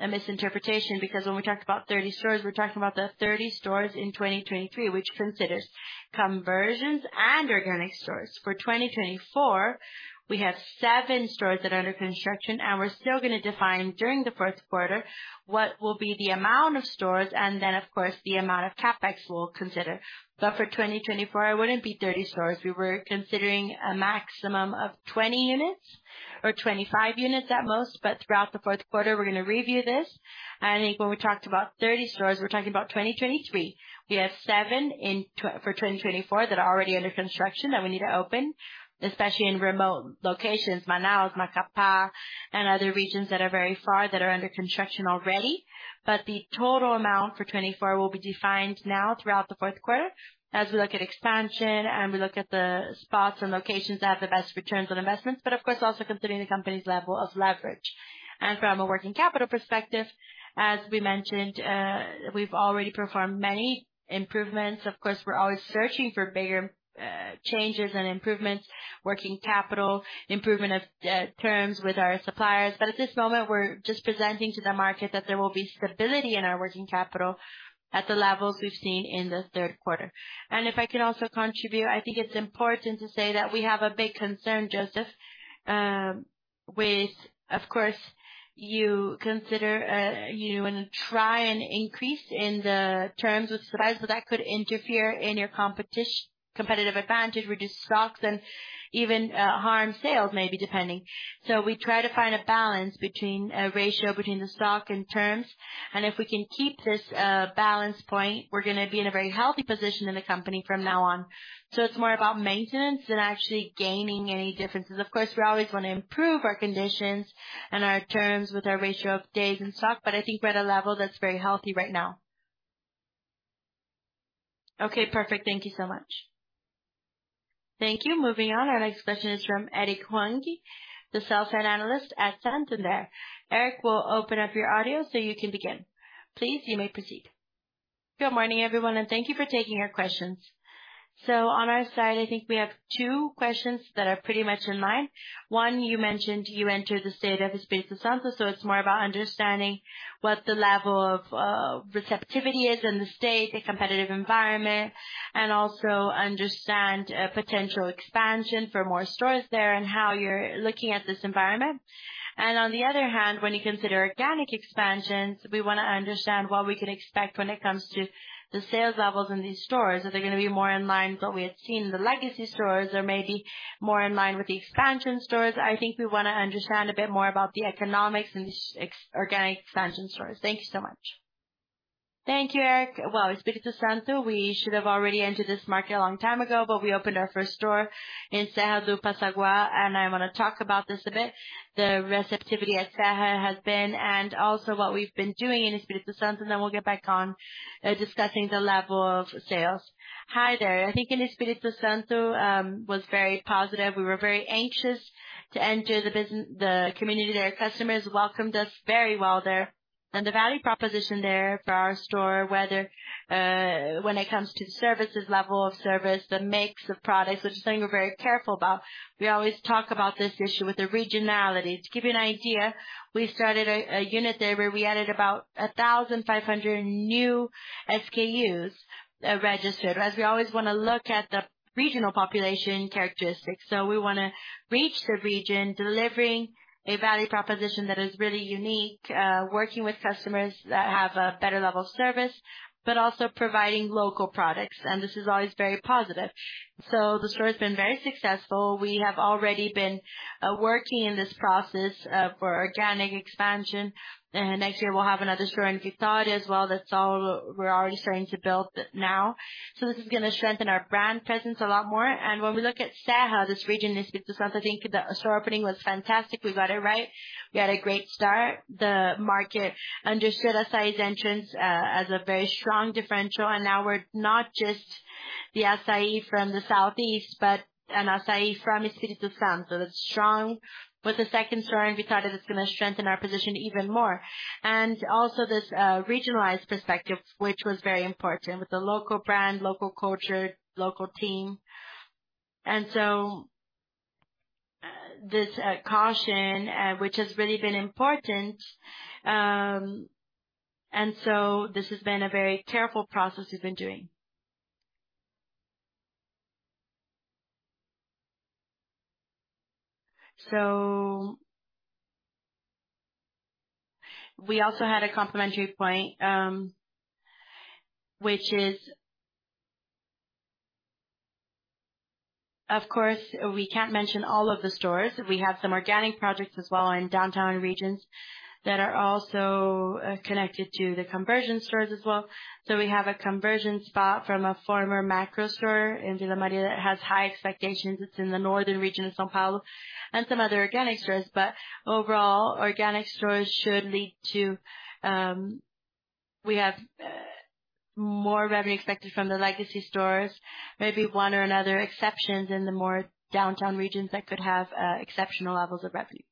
a misinterpretation, because when we talked about 30 stores, we're talking about the 30 stores in 2023, which considers conversions and organic stores. For 2024, we have seven stores that are under construction, and we're still going to define during the first quarter what will be the amount of stores and then, of course, the amount of CapEx we'll consider. But for 2024, it wouldn't be 30 stores. We were considering a maximum of 20 units or 25 units at most, but throughout the fourth quarter, we're going to review this. I think when we talked about 30 stores, we're talking about 2023. We have seven for 2024 that are already under construction that we need to open, especially in remote locations, Manaus, Macapá, and other regions that are very far, that are under construction already. But the total amount for 2024 will be defined now throughout the fourth quarter, as we look at expansion and we look at the spots and locations that have the best returns on investments, but of course, also considering the company's level of leverage. From a working capital perspective, as we mentioned, we've already performed many improvements. Of course, we're always searching for bigger changes and improvements, working capital, improvement of terms with our suppliers. But at this moment, we're just presenting to the market that there will be stability in our working capital at the levels we've seen in the third quarter. And if I could also contribute, I think it's important to say that we have a big concern, Joseph, with. Of course, you consider, you want to try and increase in the terms with suppliers, so that could interfere in your competitive advantage, reduce stocks, and even harm sales, maybe, depending. So we try to find a balance between a ratio between the stock and terms, and if we can keep this balance point, we're going to be in a very healthy position in the company from now on. So it's more about maintenance than actually gaining any differences. Of course, we always want to improve our conditions and our terms with our ratio of days in stock, but I think we're at a level that's very healthy right now. Okay, perfect. Thank you so much. Thank you. Moving on, our next question is from Eric Huang, the sell-side analyst at Santander. Eric, we'll open up your audio so you can begin. Please, you may proceed. Good morning, everyone, and thank you for taking our questions. So on our side, I think we have two questions that are pretty much in line. One, you mentioned you entered the state of Espírito Santo, so it's more about understanding what the level of receptivity is in the state, the competitive environment, and also understand potential expansion for more stores there and how you're looking at this environment. And on the other hand, when you consider organic expansions, we want to understand what we can expect when it comes to the sales levels in these stores. Are they going to be more in line with what we had seen in the legacy stores, or maybe more in line with the expansion stores? I think we want to understand a bit more about the economics in these ex-organic expansion stores. Thank you so much. Thank you, Eric. Well, Espírito Santo, we should have already entered this market a long time ago, but we opened our first store in Serra, and I want to talk about this a bit, the receptivity at Serra has been, and also what we've been doing in Espírito Santo, and then we'll get back on discussing the level of sales. Hi there. I think in Espírito Santo was very positive. We were very anxious to enter the community there. Customers welcomed us very well there. And the value proposition there for our store, whether when it comes to services, level of service, the mix of products, which is something we're very careful about, we always talk about this issue with the regionality. To give you an idea, we started a unit there where we added about 1,500 new SKUs registered. As we always want to look at the regional population characteristics. So we want to reach the region, delivering a value proposition that is really unique, working with customers that have a better level of service, but also providing local products, and this is always very positive. So the store has been very successful. We have already been working in this process for organic expansion, and next year we'll have another store in Vitória as well. That's all we're already starting to build now. So this is going to strengthen our brand presence a lot more. And when we look at Serra, how this region, Espírito Santo, I think the store opening was fantastic. We got it right. We had a great start. The market understood Assaí's entrance as a very strong differential, and now we're not just the Assaí from the southeast, but an Assaí from Espírito Santo. So it's strong. With the second store in Vitória, it's going to strengthen our position even more. And also this regionalized perspective, which was very important, with a local brand, local culture, local team. And so this caution, which has really been important, and so this has been a very careful process we've been doing. So, we also had a complimentary point, which is, of course, we can't mention all of the stores. We have some organic projects as well in downtown regions that are also connected to the conversion stores as well. So we have a conversion spot from a former Makro store into the Maria that has high expectations. It's in the northern region of São Paulo and some other organic stores. But overall, organic stores should lead to, we have, more revenue expected from the legacy stores, maybe one or another exceptions in the more downtown regions that could have, exceptional levels of revenue.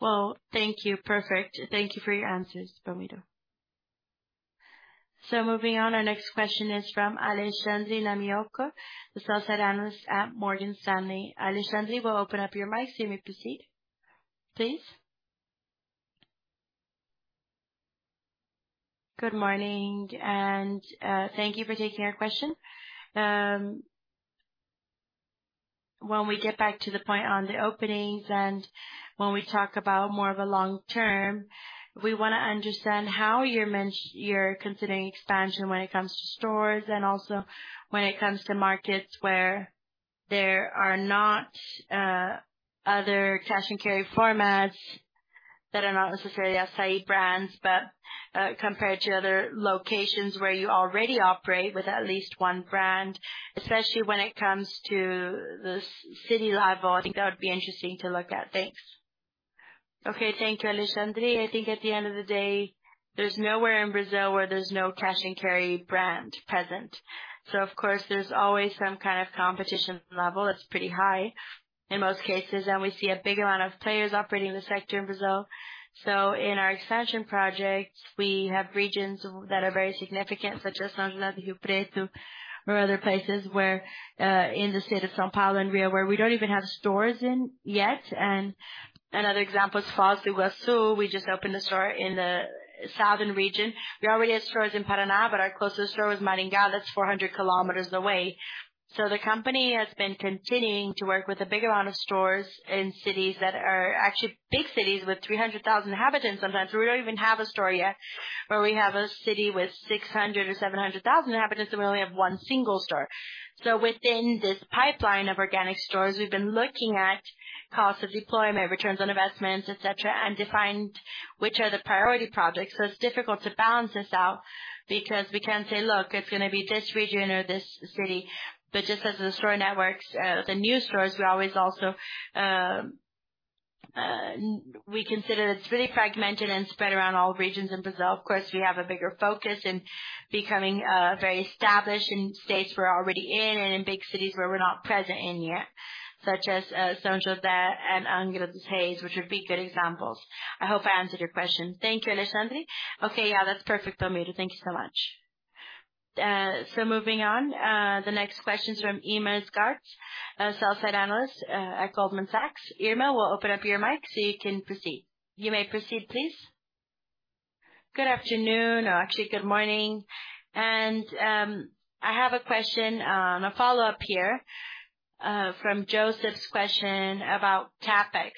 Well, thank you. Perfect. Thank you for your answers, Belmiro. So moving on, our next question is from Alexandre Namioka, the sell-side analyst at Morgan Stanley. Alexandre, we'll open up your mic, so you may proceed, please. Good morning, and, thank you for taking our question. When we get back to the point on the openings and when we talk about more of a long term, we want to understand how you're considering expansion when it comes to stores and also when it comes to markets where there are not other cash and carry formats that are not necessarily Assaí brands, but compared to other locations where you already operate with at least one brand, especially when it comes to the city level. I think that would be interesting to look at. Thanks. Okay. Thank you, Alexandre. I think at the end of the day, there's nowhere in Brazil where there's no cash and carry brand present. So of course, there's always some kind of competition level that's pretty high in most cases, and we see a big amount of players operating in the sector in Brazil. So in our expansion projects, we have regions that are very significant, such as São José do Rio Preto or other places where, in the state of São Paulo and Rio, where we don't even have stores in yet. And another example is Foz do Iguaçu. We just opened a store in the southern region. We already have stores in Paraná, but our closest store is Maringá. That's 400 kilometers away. So the company has been continuing to work with a big amount of stores in cities that are actually big cities with 300,000 inhabitants. Sometimes we don't even have a store yet, or we have a city with 600,000 or 700,000 inhabitants, and we only have one single store. So within this pipeline of organic stores, we've been looking at costs of deployment, returns on investments, et cetera, and defined which are the priority projects. So it's difficult to balance this out because we can't say, "Look, it's going to be this region or this city." But just as the store networks, the new stores, we always also, we consider it's pretty fragmented and spread around all regions in Brazil. Of course, we have a bigger focus in becoming, very established in states we're already in and in big cities where we're not present in yet, such as, São José and Angra dos Reis, which would be good examples. I hope I answered your question. Thank you, Alexandre. Okay, yeah, that's perfect, Belmiro. Thank you so much. So moving on, the next question is from Irma Sgarz, a sell-side analyst at Goldman Sachs. Irma, we'll open up your mic so you can proceed. You may proceed, please. Good afternoon, or actually good morning. I have a question, a follow-up here from Joseph's question about CapEx.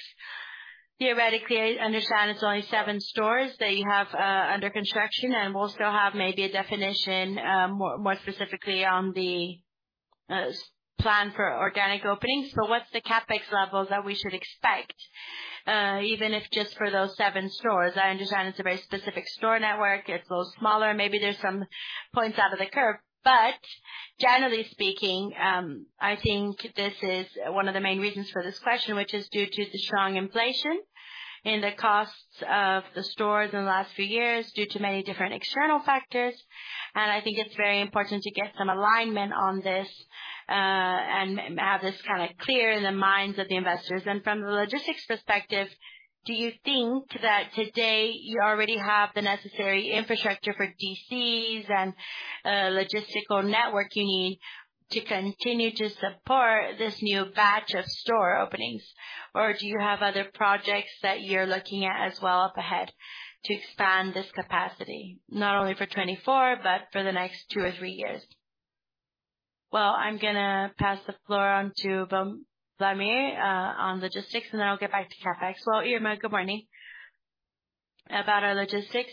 Theoretically, I understand it's only seven stores that you have under construction, and we'll still have maybe a definition more specifically on the plan for organic openings. So what's the CapEx levels that we should expect, even if just for those seven stores? I understand it's a very specific store network. It's a little smaller. Maybe there's some points out of the curve. But generally speaking, I think this is one of the main reasons for this question, which is due to the strong inflation in the costs of the stores in the last few years, due to many different external factors. I think it's very important to get some alignment on this, and have this kind of clear in the minds of the investors. From the logistics perspective, do you think that today you already have the necessary infrastructure for DCs and, logistical network you need to continue to support this new batch of store openings? Or do you have other projects that you're looking at as well up ahead to expand this capacity, not only for 2024, but for the next two or three years? Well, I'm gonna pass the floor on to Wlamir, on logistics, and then I'll get back to CapEx. Well, Irma, good morning. About our logistics,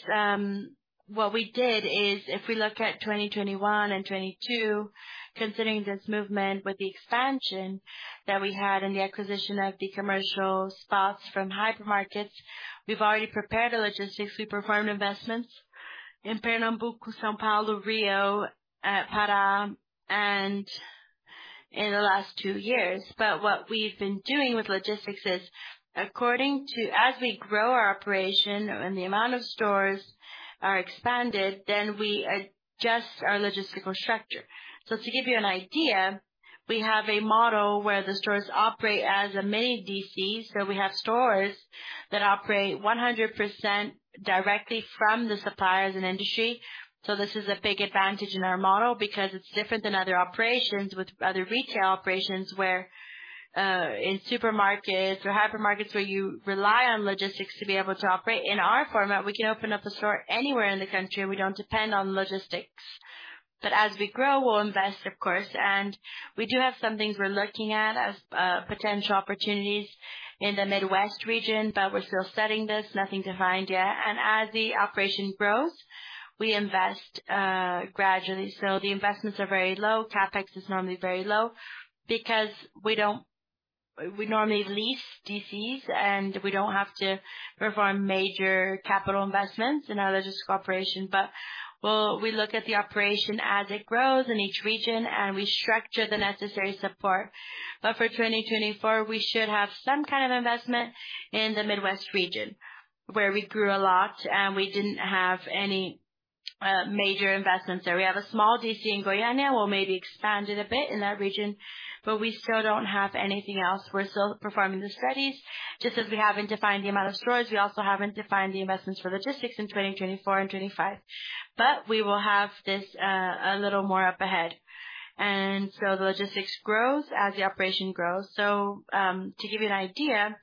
what we did is if we look at 2021 and 2022, considering this movement with the expansion that we had in the acquisition of the commercial spots from hypermarkets, we've already prepared the logistics. We performed investments in Pernambuco, São Paulo, Rio, Pará, and in the last two years. But what we've been doing with logistics is according to as we grow our operation and the amount of stores are expanded, then we adjust our logistical structure. So to give you an idea, we have a model where the stores operate as a mini DC. So we have stores that operate 100% directly from the suppliers and industry. So this is a big advantage in our model because it's different than other operations with other retail operations, where, in supermarkets or hypermarkets, where you rely on logistics to be able to operate. In our format, we can open up a store anywhere in the country, and we don't depend on logistics. But as we grow, we'll invest, of course, and we do have some things we're looking at as potential opportunities in the Midwest region, but we're still studying this. Nothing defined yet. And as the operation grows, we invest gradually. So the investments are very low. CapEx is normally very low because we normally lease DCs, and we don't have to perform major capital investments in our logistics operation. But we look at the operation as it grows in each region, and we structure the necessary support. But for 2024, we should have some kind of investment in the Midwest region, where we grew a lot, and we didn't have any major investments there. We have a small DC in Goiânia. We'll maybe expand it a bit in that region, but we still don't have anything else. We're still performing the studies. Just as we haven't defined the amount of stores, we also haven't defined the investments for logistics in 2024 and 2025. But we will have this a little more up ahead. And so the logistics grows as the operation grows. So, to give you an idea,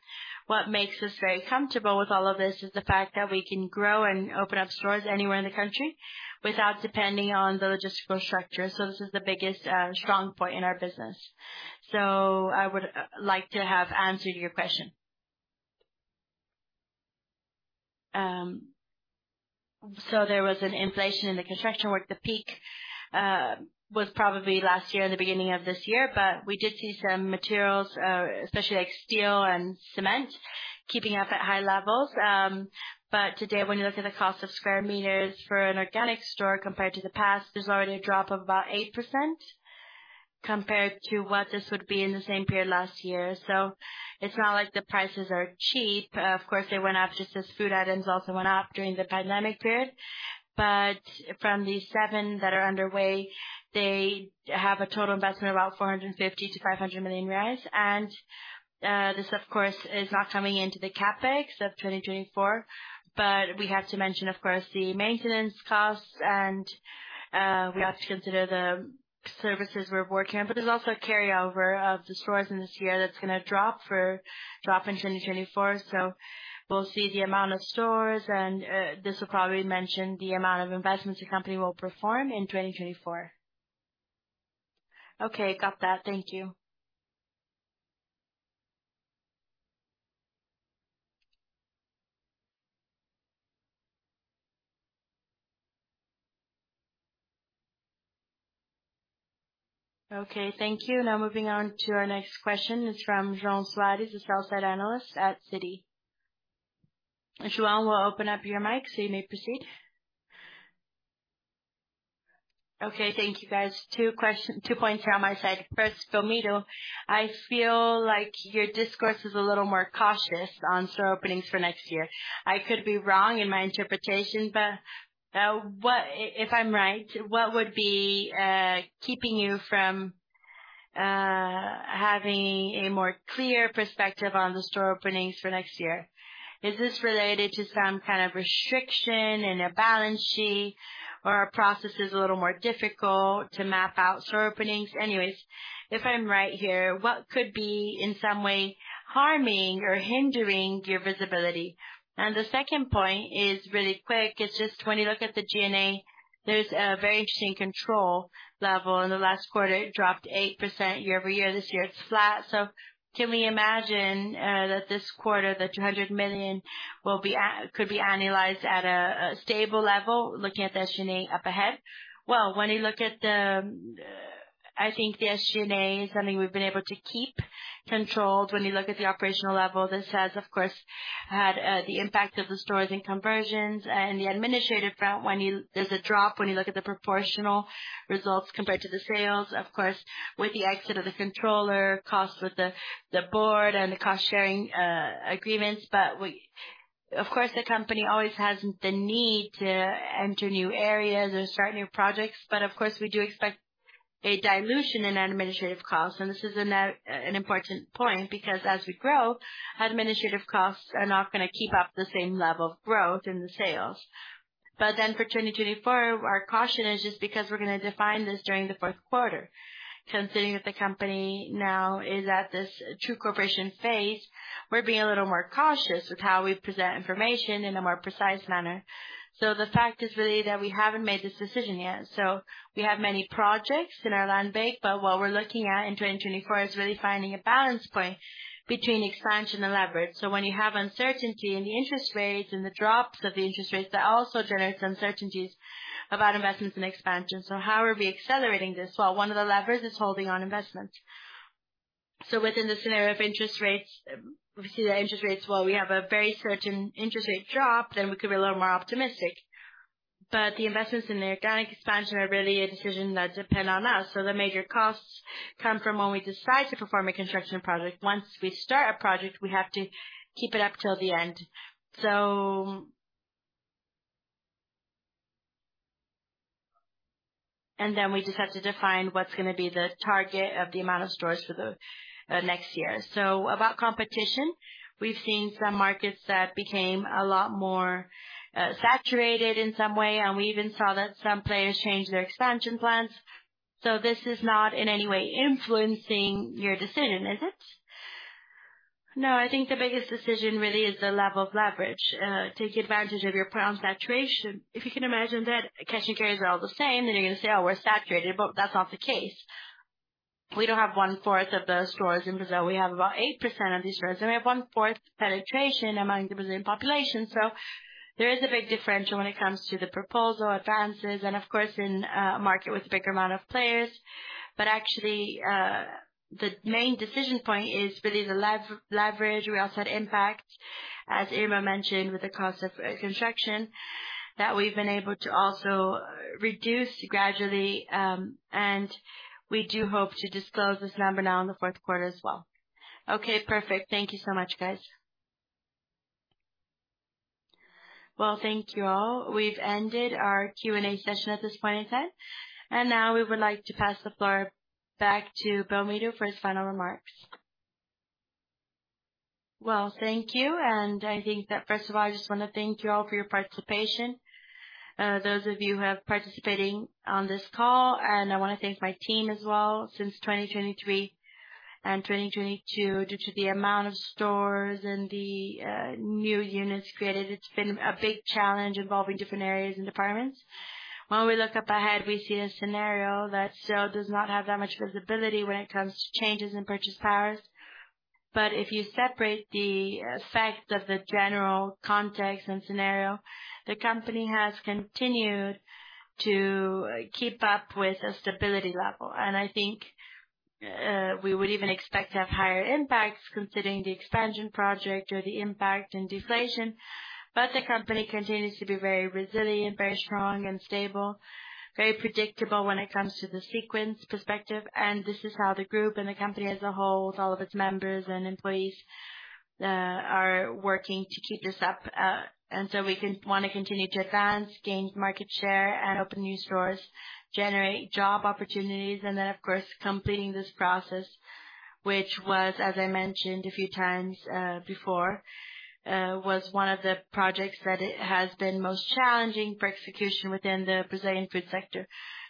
what makes us very comfortable with all of this is the fact that we can grow and open up stores anywhere in the country without depending on the logistical structure. So this is the biggest strong point in our business. So I would like to have answered your question. So there was an inflation in the construction work. The peak was probably last year and the beginning of this year, but we did see some materials, especially like steel and cement, keeping up at high levels. But today, when you look at the cost of square meters for an organic store compared to the past, there's already a drop of about 8% compared to what this would be in the same period last year. So it's not like the prices are cheap. Of course, they went up just as food items also went up during the pandemic period. But from the seven that are underway, they have a total investment of about 450 million-500 million reais. This, of course, is not coming into the CapEx of 2024, but we have to mention, of course, the maintenance costs, and we have to consider the services we're working on. But there's also a carryover of the stores in this year that's gonna drop in 2024. So we'll see the amount of stores, and this will probably mention the amount of investments the company will perform in 2024. Okay, got that. Thank you. Okay, thank you. Now, moving on to our next question. It's from João Soares, a sell-side analyst at Citi. João, we'll open up your mic, so you may proceed. Okay, thank you, guys. Two points here on my side. First, Belmiro, I feel like your discourse is a little more cautious on store openings for next year. I could be wrong in my interpretation, but what, if I'm right, what would be keeping you from having a more clear perspective on the store openings for next year? Is this related to some kind of restriction in a balance sheet, or are processes a little more difficult to map out store openings? Anyways, if I'm right here, what could be in some way harming or hindering your visibility? And the second point is really quick. It's just when you look at the G&A, there's a very interesting control level. In the last quarter, it dropped 8% year-over-year. This year, it's flat. So can we imagine that this quarter, the 200 million could be annualized at a stable level, looking at the SG&A up ahead? Well, when you look at the, I think the SG&A is something we've been able to keep controlled. When you look at the operational level, this has, of course, had the impact of the stores and conversions and the administrative front. There's a drop when you look at the proportional results compared to the sales, of course, with the exit of the controller, costs with the board and the cost-sharing agreements. Of course, the company always has the need to enter new areas or start new projects. But of course, we do expect a dilution in administrative costs, and this is an important point because as we grow, administrative costs are not gonna keep up the same level of growth in the sales. Then for 2024, our caution is just because we're gonna define this during the fourth quarter. Considering that the company now is at this True Corporation phase, we're being a little more cautious with how we present information in a more precise manner. The fact is really that we haven't made this decision yet. We have many projects in our land bank, but what we're looking at in 2024 is really finding a balance point between expansion and leverage. When you have uncertainty in the interest rates and the drops of the interest rates, that also generates uncertainties about investments and expansion. How are we accelerating this? Well, one of the levers is holding on investments. So within the scenario of interest rates, we see the interest rates, while we have a very certain interest rate drop, then we could be a little more optimistic. But the investments in the organic expansion are really a decision that depend on us. So the major costs come from when we decide to perform a construction project. Once we start a project, we have to keep it up till the end. So, and then we just have to define what's gonna be the target of the amount of stores for the next year. So about competition, we've seen some markets that became a lot more saturated in some way, and we even saw that some players changed their expansion plans. So this is not in any way influencing your decision, is it? No, I think the biggest decision really is the level of leverage. Take advantage of your plan on saturation. If you can imagine that cash and carries are all the same, then you're gonna say, "Oh, we're saturated," but that's not the case. We don't have one-fourth of the stores in Brazil. We have about 8% of these stores, and we have one-fourth penetration among the Brazilian population. So there is a big differential when it comes to the proposal advances and, of course, in a market with a bigger amount of players. But actually, the main decision point is really the leverage. We also had impact, as Irma mentioned, with the cost of construction, that we've been able to also reduce gradually, and we do hope to disclose this number now in the fourth quarter as well. Okay, perfect. Thank you so much, guys. Well, thank you, all. We've ended our Q&A session at this point in time, and now we would like to pass the floor back to Belmiro for his final remarks. Well, thank you. I think that, first of all, I just want to thank you all for your participation, those of you who have participated on this call. I want to thank my team as well. Since 2023 and 2022, due to the amount of stores and the new units created, it's been a big challenge involving different areas and departments. When we look ahead, we see a scenario that still does not have that much visibility when it comes to changes in purchasing power. But if you separate the fact of the general context and scenario, the company has continued to keep up with a stability level, and I think, we would even expect to have higher impacts considering the expansion project or the impact and deflation. But the company continues to be very resilient, very strong and stable, very predictable when it comes to the sequence perspective. This is how the group and the company as a whole, with all of its members and employees, are working to keep this up. And so we want to continue to advance, gain market share, and open new stores, generate job opportunities, and then, of course, completing this process, which was, as I mentioned a few times, before, was one of the projects that it has been most challenging for execution within the Brazilian food sector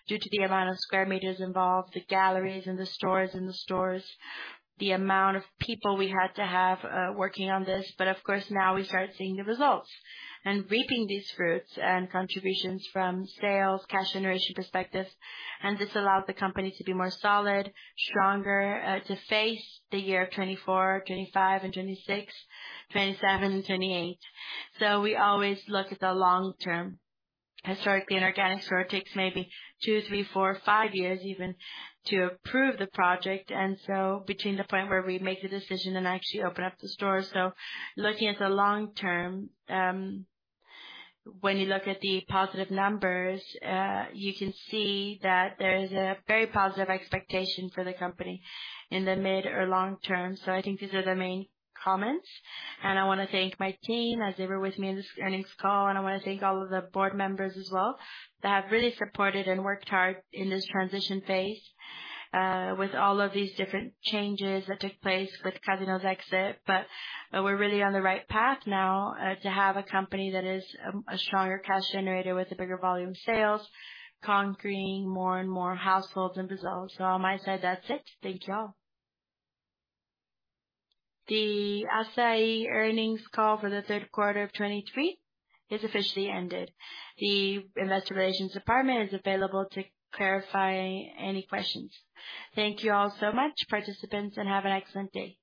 due to the amount of square meters involved, the galleries and the stores, and the stores, the amount of people we had to have, working on this. But of course, now we start seeing the results and reaping these fruits and contributions from sales, cash generation perspectives. And this allows the company to be more solid, stronger, to face the year 2024, 2025, and 2026, 2027, and 2028. So we always look at the long term. Historically, an organic store takes maybe two, three, four, five years even to approve the project, and so between the point where we make the decision and actually open up the store. So looking at the long term, when you look at the positive numbers, you can see that there is a very positive expectation for the company in the mid or long term. So I think these are the main comments, and I want to thank my team, as they were with me in this earnings call. And I want to thank all of the board members as well that have really supported and worked hard in this transition phase, with all of these different changes that took place with Casino's exit. But, but we're really on the right path now, to have a company that is, a stronger cash generator with a bigger volume of sales, conquering more and more households in Brazil. So on my side, that's it. Thank you all. The Assaí earnings call for the third quarter of 2023 is officially ended. The Investor Relations Department is available to clarify any questions. Thank you all so much, participants, and have an excellent day.